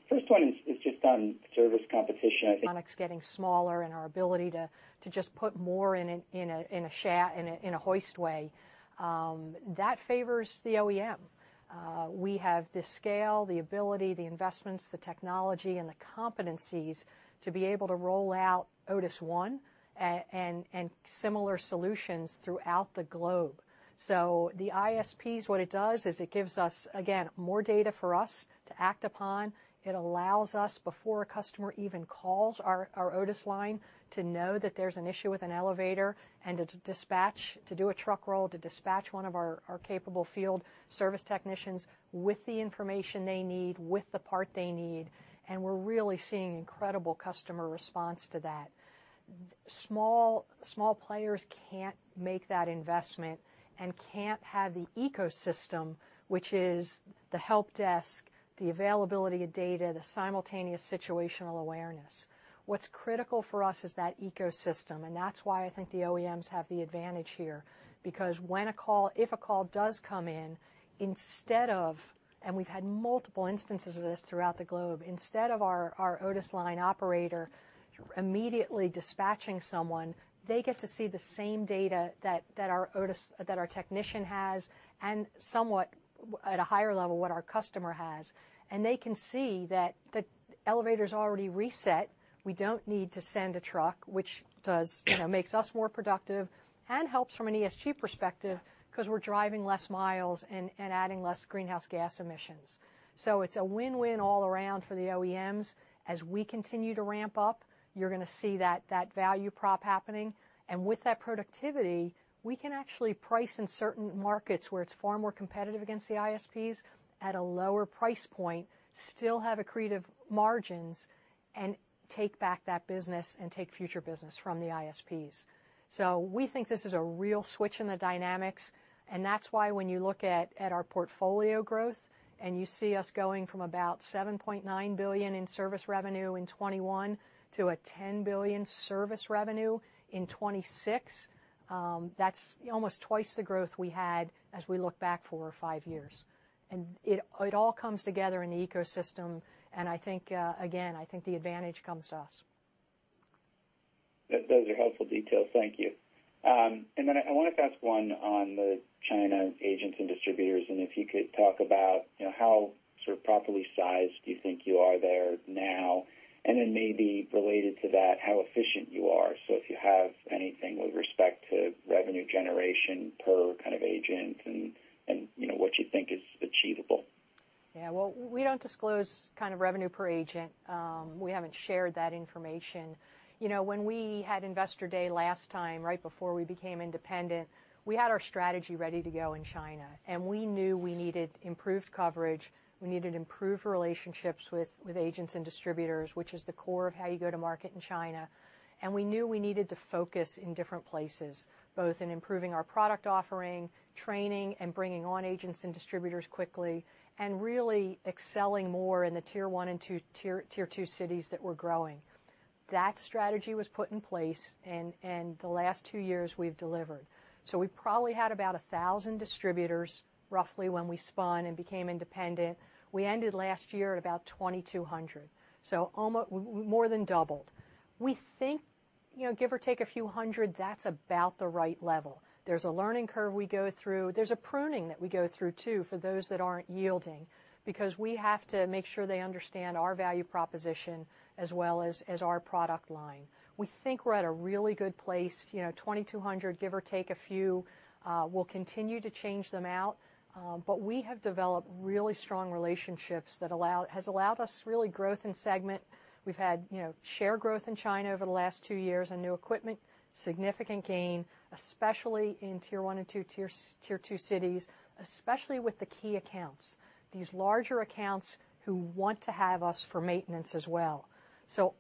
First one is just on service competition. I think Getting smaller and our ability to just put more in a hoistway, that favors the OEM. We have the scale, the ability, the investments, the technology, and the competencies to be able to roll out Otis ONE and similar solutions throughout the globe. The ISPs, what it does is it gives us, again, more data for us to act upon. It allows us, before a customer even calls our Otis line, to know that there's an issue with an elevator and to do a truck roll, to dispatch one of our capable field service technicians with the information they need, with the part they need, and we're really seeing incredible customer response to that. Small players can't make that investment and can't have the ecosystem, which is the help desk, the availability of data, the simultaneous situational awareness. What's critical for us is that ecosystem, and that's why I think the OEMs have the advantage here. Because if a call does come in, instead of, and we've had multiple instances of this throughout the globe, instead of our Otis line operator immediately dispatching someone, they get to see the same data that our technician has and somewhat at a higher level what our customer has. They can see that the elevator's already reset. We don't need to send a truck, which, you know, makes us more productive and helps from an ESG perspective because we're driving less miles and adding less greenhouse gas emissions. It's a win-win all around for the OEMs. As we continue to ramp up, you're gonna see that value prop happening. With that productivity, we can actually price in certain markets where it's far more competitive against the ISPs at a lower price point, still have accretive margins, and take back that business and take future business from the ISPs. We think this is a real switch in the dynamics, and that's why when you look at our portfolio growth and you see us going from about $7.9 billion in service revenue in 2021 to $10 billion service revenue in 2026, that's almost twice the growth we had as we look back four or five years. It all comes together in the ecosystem, and I think the advantage comes to us. Those are helpful details. Thank you. I wanted to ask one on the China agents and distributors, and if you could talk about, you know, how sort of properly sized do you think you are there now? Maybe related to that, how efficient you are. If you have anything with respect to revenue generation per kind of agent and, you know, what you think is achievable. Yeah. Well, we don't disclose kind of revenue per agent. We haven't shared that information. You know, when we had Investor Day last time, right before we became independent, we had our strategy ready to go in China, and we knew we needed improved coverage. We needed improved relationships with agents and distributors, which is the core of how you go to market in China. We knew we needed to focus in different places, both in improving our product offering, training, and bringing on agents and distributors quickly and really excelling more in the tier one and two cities that were growing. That strategy was put in place and the last two years we've delivered. We probably had about 1,000 distributors roughly when we spun and became independent. We ended last year at about 2,200, so more than doubled. We think, you know, give or take a few hundred, that's about the right level. There's a learning curve we go through. There's a pruning that we go through, too, for those that aren't yielding, because we have to make sure they understand our value proposition as well as our product line. We think we're at a really good place, you know, 2,200, give or take a few. We'll continue to change them out, but we have developed really strong relationships that has allowed us real growth in segment. We've had, you know, share growth in China over the last two years and New Equipment, significant gain, especially in tier one and tier two cities, especially with the key accounts, these larger accounts who want to have us for maintenance as well.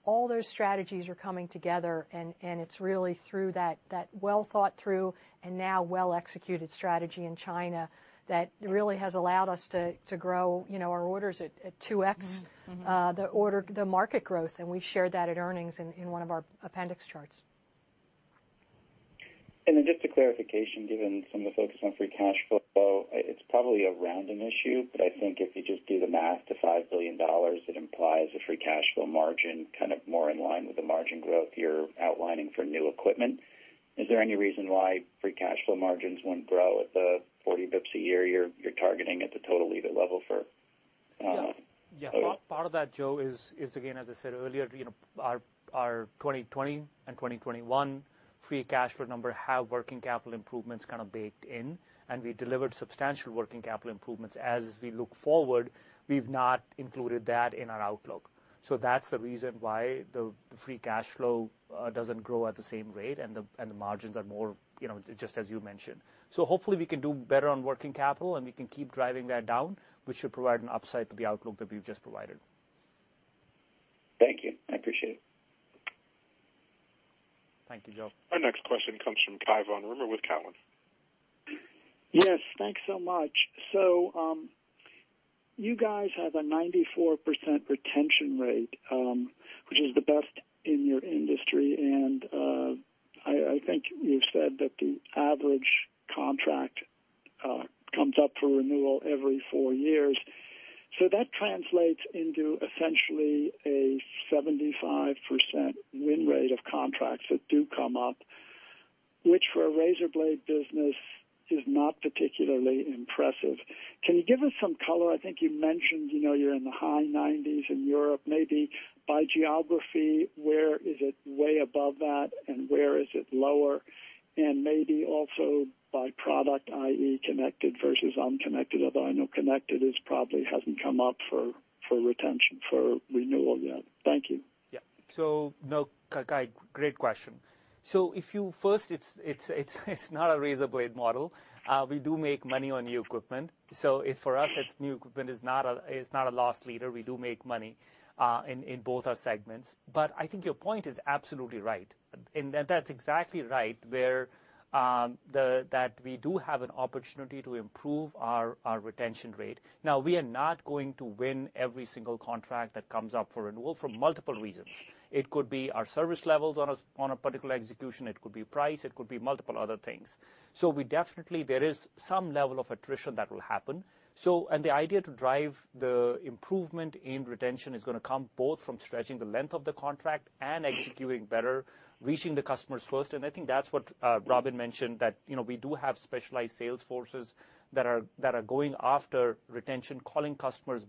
All those strategies are coming together and it's really through that well-thought-through and now well-executed strategy in China that really has allowed us to grow, you know, our orders at 2x- Mm-hmm.... the order, the market growth, and we shared that at earnings in one of our appendix charts. Just a clarification, given some of the focus on free cash flow, it's probably a random issue, but I think if you just do the math to $5 billion, it implies a free cash flow margin kind of more in line with the margin growth you're outlining for New Equipment. Is there any reason why free cash flow margins wouldn't grow at the 40 basis points a year you're targeting at the total EBIT level for, Yeah. Part of that, Joe, is again, as I said earlier, you know, our 2020 and 2021 free cash flow number have working capital improvements kind of baked in, and we delivered substantial working capital improvements. As we look forward, we've not included that in our outlook. That's the reason why the free cash flow doesn't grow at the same rate and the margins are more, just as you mentioned. Hopefully we can do better on working capital, and we can keep driving that down, which should provide an upside to the outlook that we've just provided. Thank you. I appreciate it. Thank you, Joe. Our next question comes from Cai von Rumohr with Cowen. Yes. Thanks so much. You guys have a 94% retention rate, which is the best in your industry, and I think you've said that the average contract comes up for renewal every four years. That translates into essentially a 75% win rate of contracts that do come up, which for a razor blade business is not particularly impressive. Can you give us some color? I think you mentioned, you know, you're in the high 90s in Europe. Maybe by geography, where is it way above that and where is it lower? Maybe also by product, i.e., connected versus unconnected, although I know connected probably hasn't come up for retention, for renewal yet. Thank you. No, Cai, great question. First, it's not a razor blade model. We do make money on New Equipment, so for us, New Equipment is not a loss leader. We do make money in both our segments. But I think your point is absolutely right. And that's exactly right. We do have an opportunity to improve our retention rate. Now, we are not going to win every single contract that comes up for renewal for multiple reasons. It could be our service levels on a particular execution, it could be price, it could be multiple other things. We definitely, there is some level of attrition that will happen. The idea to drive the improvement in retention is gonna come both from stretching the length of the contract and executing better, reaching the customers first. I think that's what Robin mentioned, that you know, we do have specialized sales forces that are going after retention, calling customers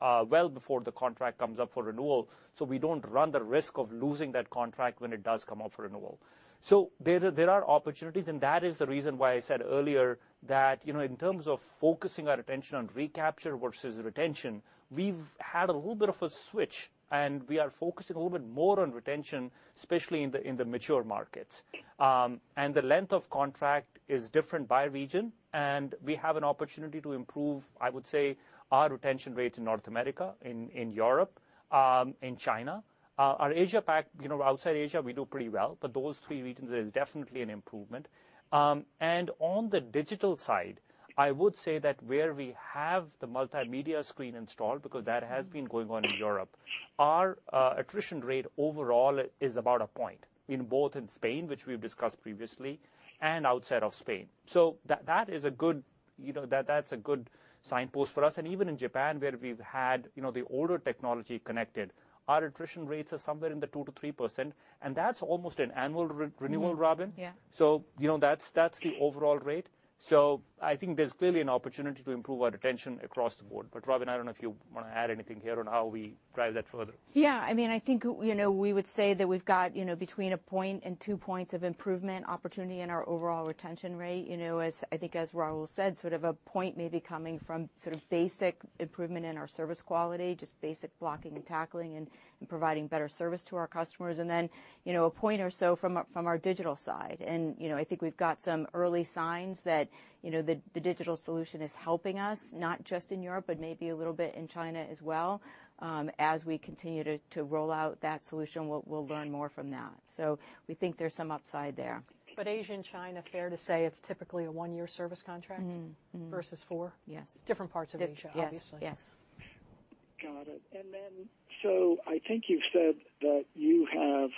well before the contract comes up for renewal, so we don't run the risk of losing that contract when it does come up for renewal. There are opportunities, and that is the reason why I said earlier that you know, in terms of focusing our attention on recapture versus retention, we've had a little bit of a switch, and we are focusing a little bit more on retention, especially in the mature markets. The length of contract is different by region, and we have an opportunity to improve, I would say, our retention rate in North America, in Europe, in China. Our Asia Pac, you know, outside Asia, we do pretty well, but those three regions, there is definitely an improvement. On the digital side, I would say that where we have the multimedia screen installed, because that has been going on in Europe, our attrition rate overall is about a point in both in Spain, which we've discussed previously, and outside of Spain. So that is a good, you know, signpost for us. Even in Japan, where we've had, you know, the older technology connected, our attrition rates are somewhere in the 2%-3%, and that's almost an annual renewal, Robin. Yeah. You know, that's the overall rate. I think there's clearly an opportunity to improve our retention across the board. Robin, I don't know if you wanna add anything here on how we drive that further. Yeah. I mean, I think, you know, we would say that we've got, you know, between 1 point and 2 points of improvement opportunity in our overall retention rate. You know, as I think as Rahul said, sort of 1 point may be coming from sort of basic improvement in our service quality, just basic blocking and tackling and providing better service to our customers. Then, you know, 1 point or so from our digital side. You know, I think we've got some early signs that, you know, the digital solution is helping us, not just in Europe, but maybe a little bit in China as well. As we continue to roll out that solution, we'll learn more from that. We think there's some upside there. Asia and China, fair to say it's typically a one-year service contract? Mm-hmm. Mm-hmm. Versus four? Yes. Different parts of Asia, obviously. Yes, yes. Got it. I think you've said that you have,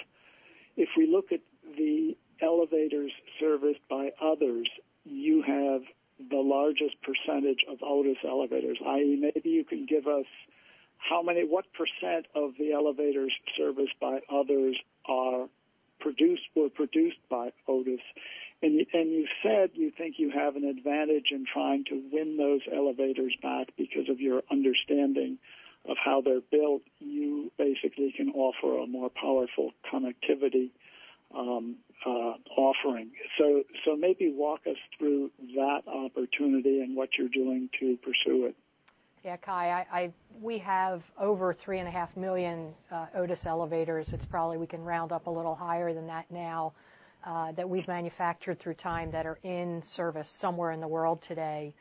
if we look at the elevators serviced by others, you have the largest percentage of Otis elevators. i.e., maybe you can give us how many, what percent of the elevators serviced by others are produced by Otis? And you said you think you have an advantage in trying to win those elevators back because of your understanding of how they're built. You basically can offer a more powerful connectivity offering. So maybe walk us through that opportunity and what you're doing to pursue it. Yeah, Cai, we have over 3.5 million Otis elevators. It's probably we can round up a little higher than that now that we've manufactured over time that are in service somewhere in the world today.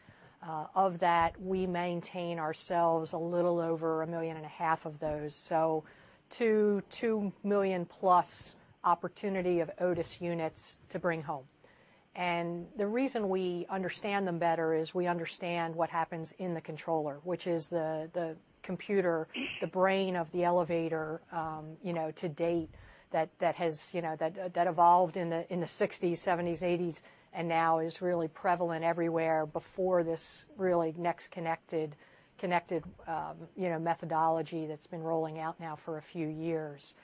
Of that, we maintain ourselves a little over 1.5 million of those. So 2 million-plus opportunity of Otis units to bring home. The reason we understand them better is we understand what happens in the controller, which is the computer, the brain of the elevator, you know, to date that has evolved in the 60s, 70s, 80s, and now is really prevalent everywhere before this really next connected methodology that's been rolling out now for a few years.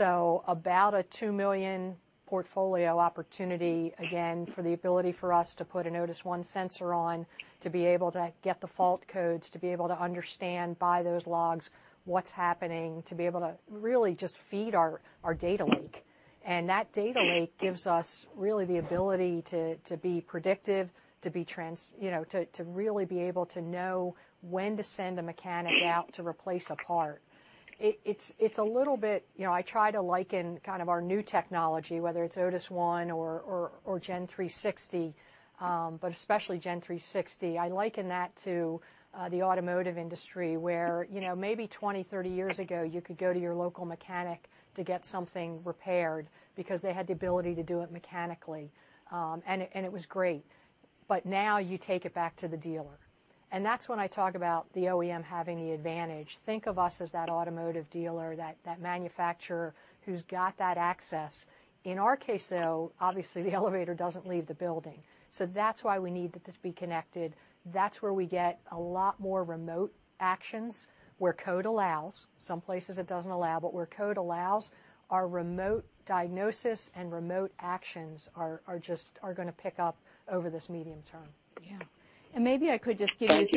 about a $2 million portfolio opportunity, again, for the ability for us to put an Otis ONE sensor on, to be able to get the fault codes, to be able to understand by those logs what's happening, to be able to really just feed our data lake. That data lake gives us really the ability to be predictive, you know, to really be able to know when to send a mechanic out to replace a part. It's a little bit. You know, I try to liken kind of our new technology, whether it's Otis ONE or Gen360, but especially Gen360. I liken that to the automotive industry where, you know, maybe 20, 30 years ago you could go to your local mechanic to get something repaired because they had the ability to do it mechanically, and it was great. Now you take it back to the dealer, and that's when I talk about the OEM having the advantage. Think of us as that automotive dealer, that manufacturer who's got that access. In our case, though, obviously, the elevator doesn't leave the building, so that's why we need it to be connected. That's where we get a lot more remote actions where code allows. Some places it doesn't allow. Where code allows, our remote diagnosis and remote actions are gonna pick up over this medium term. Yeah. Maybe I could just give you- Thank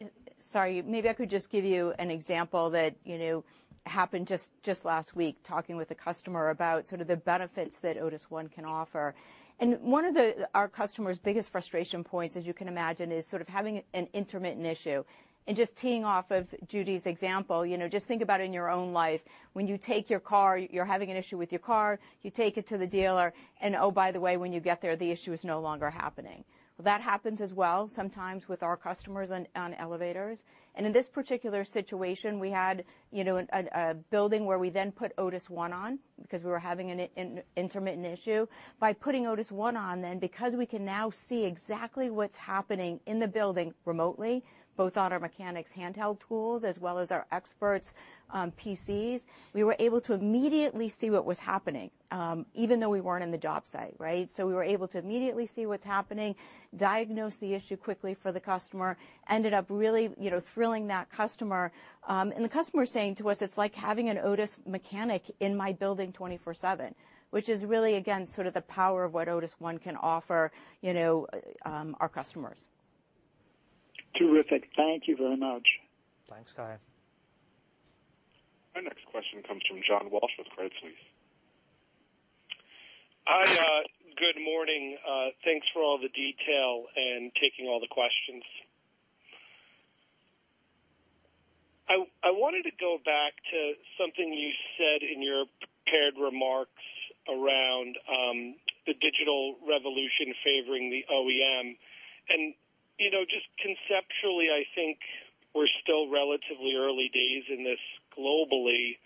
you. Sorry. Maybe I could just give you an example that, you know, happened just last week, talking with a customer about sort of the benefits that Otis ONE can offer. One of our customers' biggest frustration points, as you can imagine, is sort of having an intermittent issue. Just teeing off of Judy's example, you know, just think about in your own life when you take your car, you're having an issue with your car, you take it to the dealer and oh, by the way, when you get there, the issue is no longer happening. That happens as well sometimes with our customers on elevators. In this particular situation, we had a building where we then put Otis ONE on because we were having an intermittent issue. By putting Otis ONE on then, because we can now see exactly what's happening in the building remotely, both on our mechanics' handheld tools as well as our experts' PCs, we were able to immediately see what was happening, even though we weren't in the job site, right? We were able to immediately see what's happening, diagnose the issue quickly for the customer, ended up really, you know, thrilling that customer. The customer is saying to us, "It's like having an Otis mechanic in my building 24/7," which is really, again, sort of the power of what Otis ONE can offer, you know, our customers. Terrific. Thank you very much. Thanks, Cai. Our next question comes from John Walsh with Credit Suisse. Hi. Good morning. Thanks for all the detail and taking all the questions. I wanted to go back to something you said in your prepared remarks around the digital revolution favoring the OEM. You know, just conceptually, I think we're still relatively early days in this globally.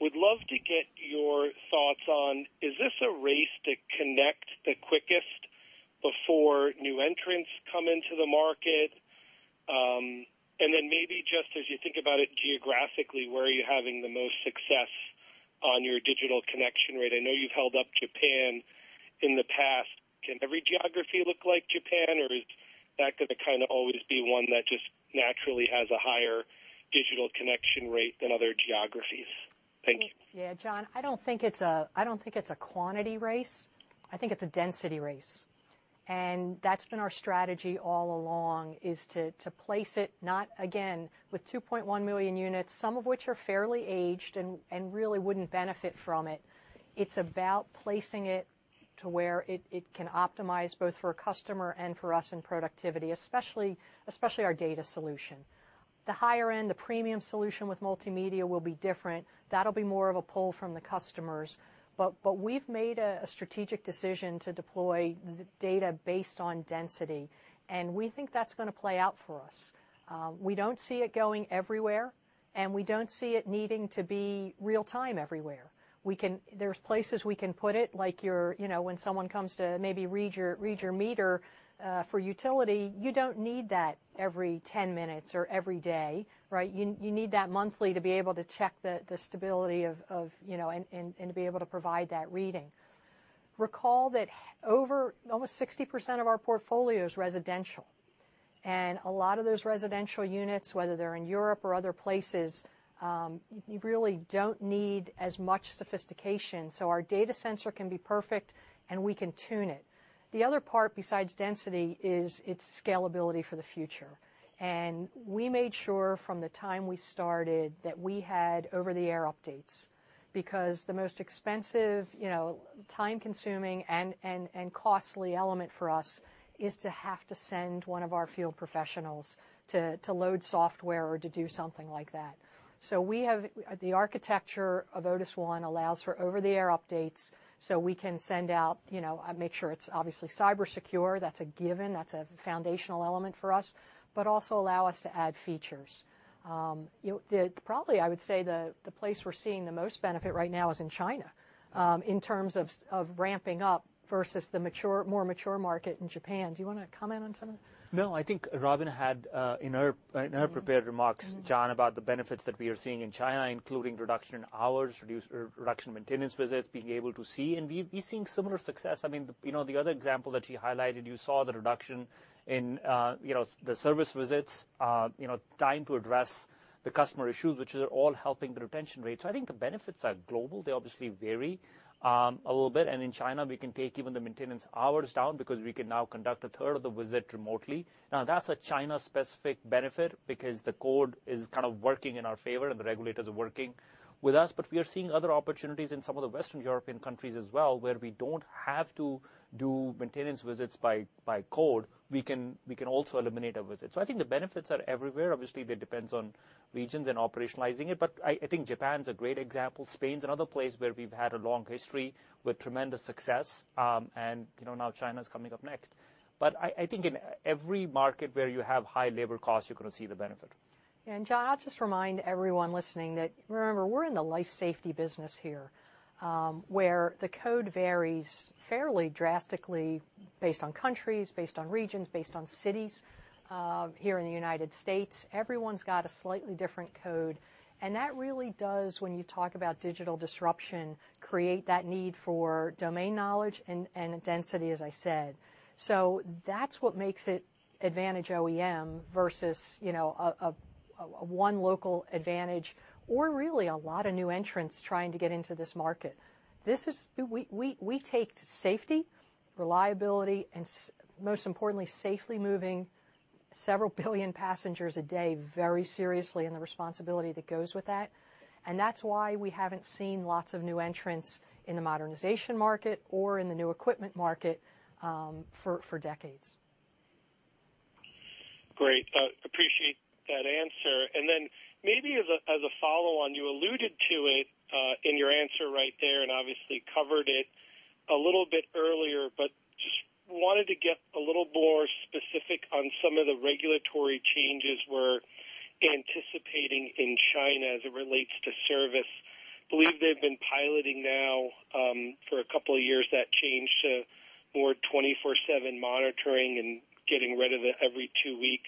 Would love to get your thoughts on, is this a race to connect the quickest before new entrants come into the market? And then maybe just as you think about it geographically, where are you having the most success on your digital connection rate? I know you've held up Japan in the past. Can every geography look like Japan, or is that gonna kinda always be one that just naturally has a higher digital connection rate than other geographies? Thank you. Yeah, John, I don't think it's a quantity race. I think it's a density race. That's been our strategy all along, is to place it not, again, with 2.1 million units, some of which are fairly aged and really wouldn't benefit from it. It's about placing it to where it can optimize both for a customer and for us in productivity, especially our data solution. The higher end, the premium solution with multimedia will be different. That'll be more of a pull from the customers. We've made a strategic decision to deploy data based on density, and we think that's gonna play out for us. We don't see it going everywhere, and we don't see it needing to be real time everywhere. There's places we can put it, like your, you know, when someone comes to maybe read your meter for utility, you don't need that every 10 minutes or every day, right? You need that monthly to be able to check the stability of, you know, and to be able to provide that reading. Recall that over almost 60% of our portfolio is residential, and a lot of those residential units, whether they're in Europe or other places, you really don't need as much sophistication, so our data sensor can be perfect, and we can tune it. The other part besides density is its scalability for the future. We made sure from the time we started that we had over-the-air updates because the most expensive, time-consuming and costly element for us is to have to send one of our field professionals to load software or to do something like that. The architecture of Otis ONE allows for over-the-air updates, so we can send out, make sure it's obviously cybersecure, that's a given, that's a foundational element for us, but also allow us to add features. Probably I would say the place we're seeing the most benefit right now is in China, in terms of of ramping up versus the more mature market in Japan. Do you wanna comment on some of that? No, I think Robin had in her prepared remarks. Mm-hmm John, about the benefits that we are seeing in China, including reduction in hours, reduction in maintenance visits, being able to see. We're seeing similar success. I mean, you know, the other example that you highlighted, you saw the reduction in the service visits, time to address the customer issues, which is all helping the retention rate. I think the benefits are global. They obviously vary a little bit. In China, we can take even the maintenance hours down because we can now conduct a third of the visit remotely. Now, that's a China-specific benefit because the code is kind of working in our favor and the regulators are working with us. We're seeing other opportunities in some of the Western European countries as well, where we don't have to do maintenance visits by code. We can also eliminate a visit. I think the benefits are everywhere. Obviously, that depends on regions and operationalizing it. I think Japan's a great example. Spain's another place where we've had a long history with tremendous success. You know, now China's coming up next. I think in every market where you have high labor costs, you're gonna see the benefit. John, I'll just remind everyone listening that, remember, we're in the life safety business here, where the code varies fairly drastically based on countries, based on regions, based on cities. Here in the United States, everyone's got a slightly different code, and that really does, when you talk about digital disruption, create that need for domain knowledge and density, as I said. That's what makes it advantage OEM versus, you know, a one local advantage or really a lot of new entrants trying to get into this market. We take safety, reliability, and most importantly, safely moving several billion passengers a day very seriously and the responsibility that goes with that. That's why we haven't seen lots of new entrants in the modernization market or in the New Equipment market, for decades. Great. Appreciate that answer. Then maybe as a follow-on, you alluded to it in your answer right there, and obviously covered it a little bit earlier, but just wanted to get a little more specific on some of the regulatory changes we're anticipating in China as it relates to service. Believe they've been piloting now for a couple of years that change to more 24/7 monitoring and getting rid of the every two-week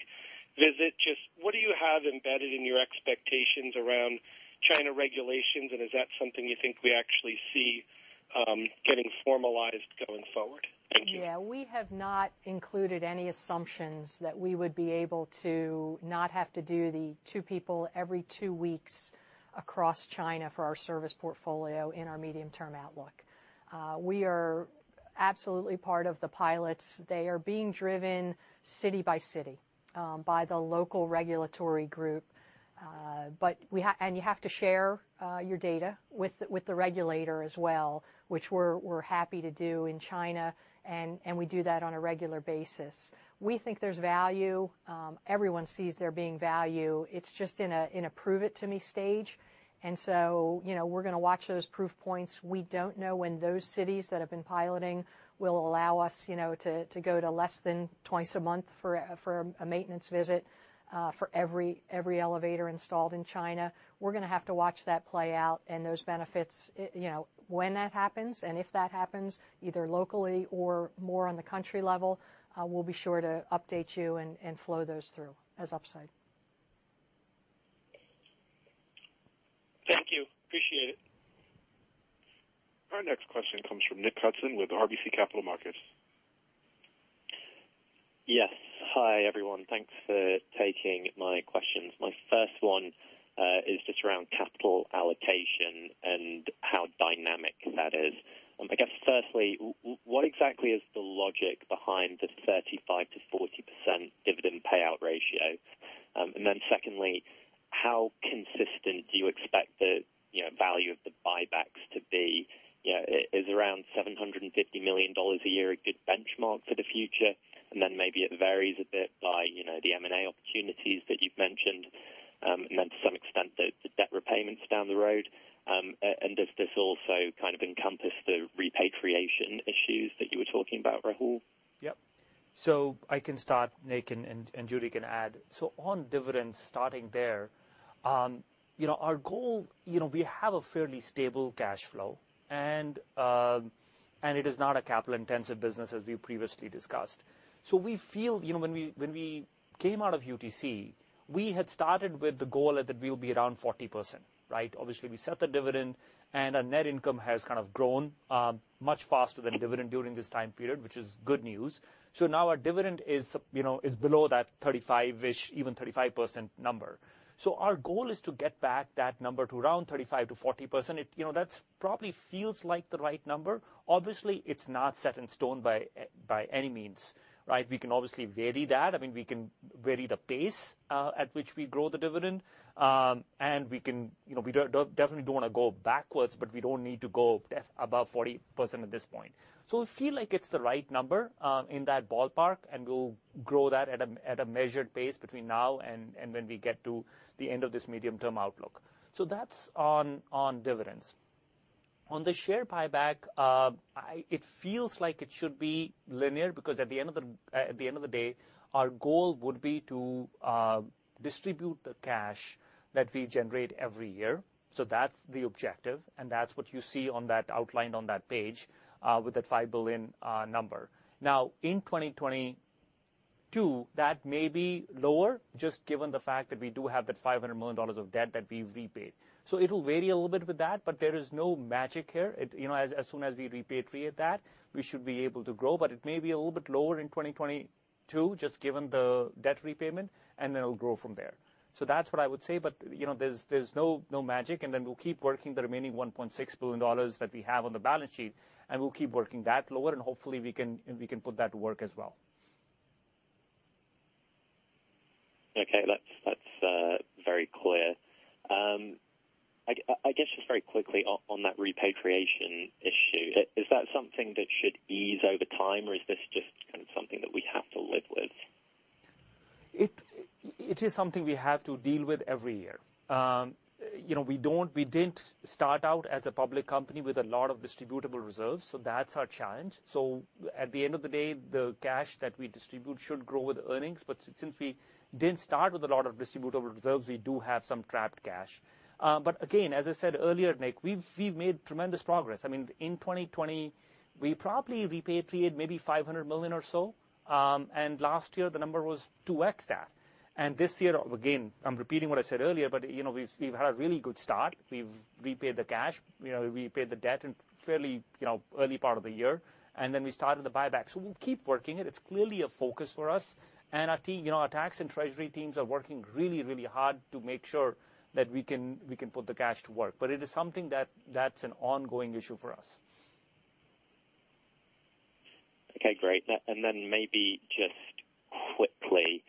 visit. Just what do you have embedded in your expectations around China regulations, and is that something you think we actually see getting formalized going forward? Thank you. Yeah. We have not included any assumptions that we would be able to not have to do the two people every two weeks across China for our service portfolio in our medium-term outlook. We are absolutely part of the pilots. They are being driven city by city by the local regulatory group. But you have to share your data with the regulator as well, which we're happy to do in China, and we do that on a regular basis. We think there's value. Everyone sees there being value. It's just in a prove it to me stage. You know, we're gonna watch those proof points. We don't know when those cities that have been piloting will allow us, you know, to go to less than twice a month for a maintenance visit for every elevator installed in China. We're gonna have to watch that play out and those benefits. It, you know, when that happens and if that happens, either locally or more on the country level, we'll be sure to update you and flow those through as upside. Thank you. Appreciate it. Our next question comes from Dominic Hudson with RBC Capital Markets. Yes. Hi, everyone. Thanks for taking my questions. My first one is just around capital allocation and how dynamic that is. I guess firstly, what exactly is the logic behind the 35%-40% dividend payout ratio? And then secondly, how consistent do you expect the value of the buybacks to be? You know, is around $750 million a year a good benchmark for the future? And then maybe it varies a bit by, you know, the M&A opportunities that you've mentioned, and then to some extent, the debt repayments down the road. Does this also kind of encompass the repatriation issues that you were talking about, Rahul? Yep. I can start, Nick, and Judy can add. On dividends, starting there, you know, our goal, you know, we have a fairly stable cash flow, and it is not a capital-intensive business as we previously discussed. We feel, you know, when we came out of UTC, we had started with the goal that we'll be around 40%, right? Obviously, we set the dividend, and our net income has kind of grown much faster than dividend during this time period, which is good news. Now our dividend is, you know, is below that 35%-ish, even 35% number. Our goal is to get back that number to around 35%-40%. It, you know, that's probably feels like the right number. Obviously, it's not set in stone by any means, right? We can obviously vary that. I mean, we can vary the pace at which we grow the dividend. We can, you know, we definitely don't wanna go backwards, but we don't need to go above 40% at this point. We feel like it's the right number in that ballpark, and we'll grow that at a measured pace between now and when we get to the end of this medium-term outlook. That's on dividends. On the share buyback, it feels like it should be linear because at the end of the day, our goal would be to distribute the cash that we generate every year. That's the objective, and that's what you see on that outline on that page with that $5 billion number. Now, in 2022, that may be lower just given the fact that we do have that $500 million of debt that we've repaid. It'll vary a little bit with that, but there is no magic here. You know, as soon as we repatriate that, we should be able to grow, but it may be a little bit lower in 2022 just given the debt repayment, and then it'll grow from there. That's what I would say, but you know, there's no magic, and then we'll keep working the remaining $1.6 billion that we have on the balance sheet, and we'll keep working that lower, and hopefully we can put that to work as well. Okay. That's very clear. I guess just very quickly on that repatriation issue, is that something that should ease over time, or is this just kind of something that we have to live with? It is something we have to deal with every year. You know, we didn't start out as a public company with a lot of distributable reserves, so that's our challenge. At the end of the day, the cash that we distribute should grow with earnings, but since we didn't start with a lot of distributable reserves, we do have some trapped cash. But again, as I said earlier, Nick, we've made tremendous progress. I mean, in 2020, we probably repatriated maybe $500 million or so. Last year the number was 2X that. This year, again, I'm repeating what I said earlier, but you know, we've had a really good start. We've repaid the cash, you know, repaid the debt in fairly early part of the year, and then we started the buyback. We'll keep working it. It's clearly a focus for us, and you know, our tax and treasury teams are working really, really hard to make sure that we can put the cash to work. It is something that's an ongoing issue for us. Okay, great. Maybe just quickly,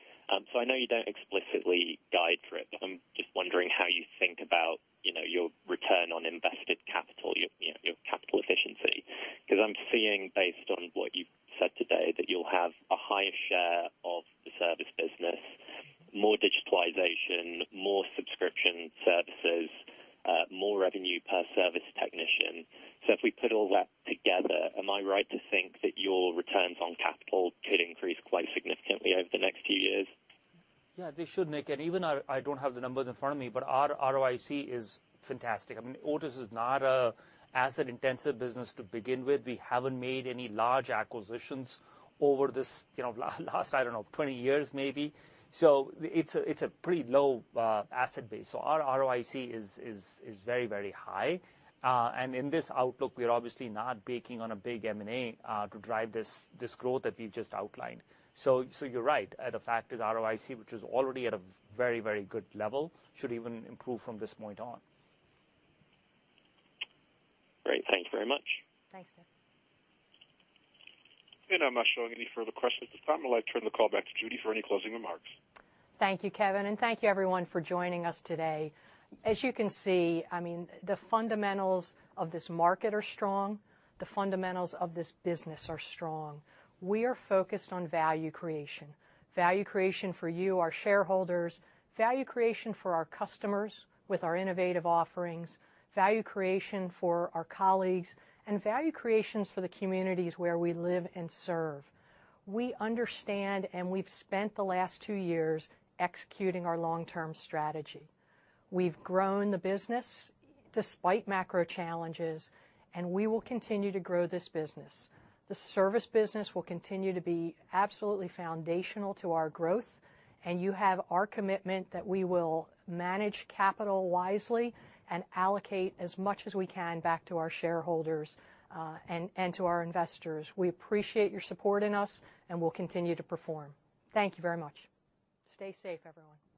so I know you don't explicitly guide for it, but I'm just wondering how you think about, you know, your return on invested capital, your, you know, your capital efficiency. 'Cause I'm seeing based on what you've said today, that you'll have a higher share of the service business, more digitalization, more subscription services, more revenue per service technician. So if we put all that together, am I right to think that your returns on capital could increase quite significantly over the next few years? Yeah, they should, Nick. Even I don't have the numbers in front of me, but our ROIC is fantastic. I mean, Otis is not an asset-intensive business to begin with. We haven't made any large acquisitions over the last, I don't know, 20 years maybe. It's a pretty low asset base. Our ROIC is very, very high. In this outlook, we're obviously not banking on a big M&A to drive this growth that we've just outlined. You're right. The fact is ROIC, which is already at a very, very good level, should even improve from this point on. Great. Thank you very much. Thanks, Nick. I'm not showing any further questions at this time. I'd like to turn the call back to Judy for any closing remarks. Thank you, Kevin, and thank you everyone for joining us today. As you can see, I mean, the fundamentals of this market are strong. The fundamentals of this business are strong. We are focused on value creation, value creation for you, our shareholders, value creation for our customers with our innovative offerings, value creation for our colleagues, and value creations for the communities where we live and serve. We understand, and we've spent the last two years executing our long-term strategy. We've grown the business despite macro challenges, and we will continue to grow this business. The service business will continue to be absolutely foundational to our growth, and you have our commitment that we will manage capital wisely and allocate as much as we can back to our shareholders, and to our investors. We appreciate your support in us, and we'll continue to perform. Thank you very much. Stay safe, everyone.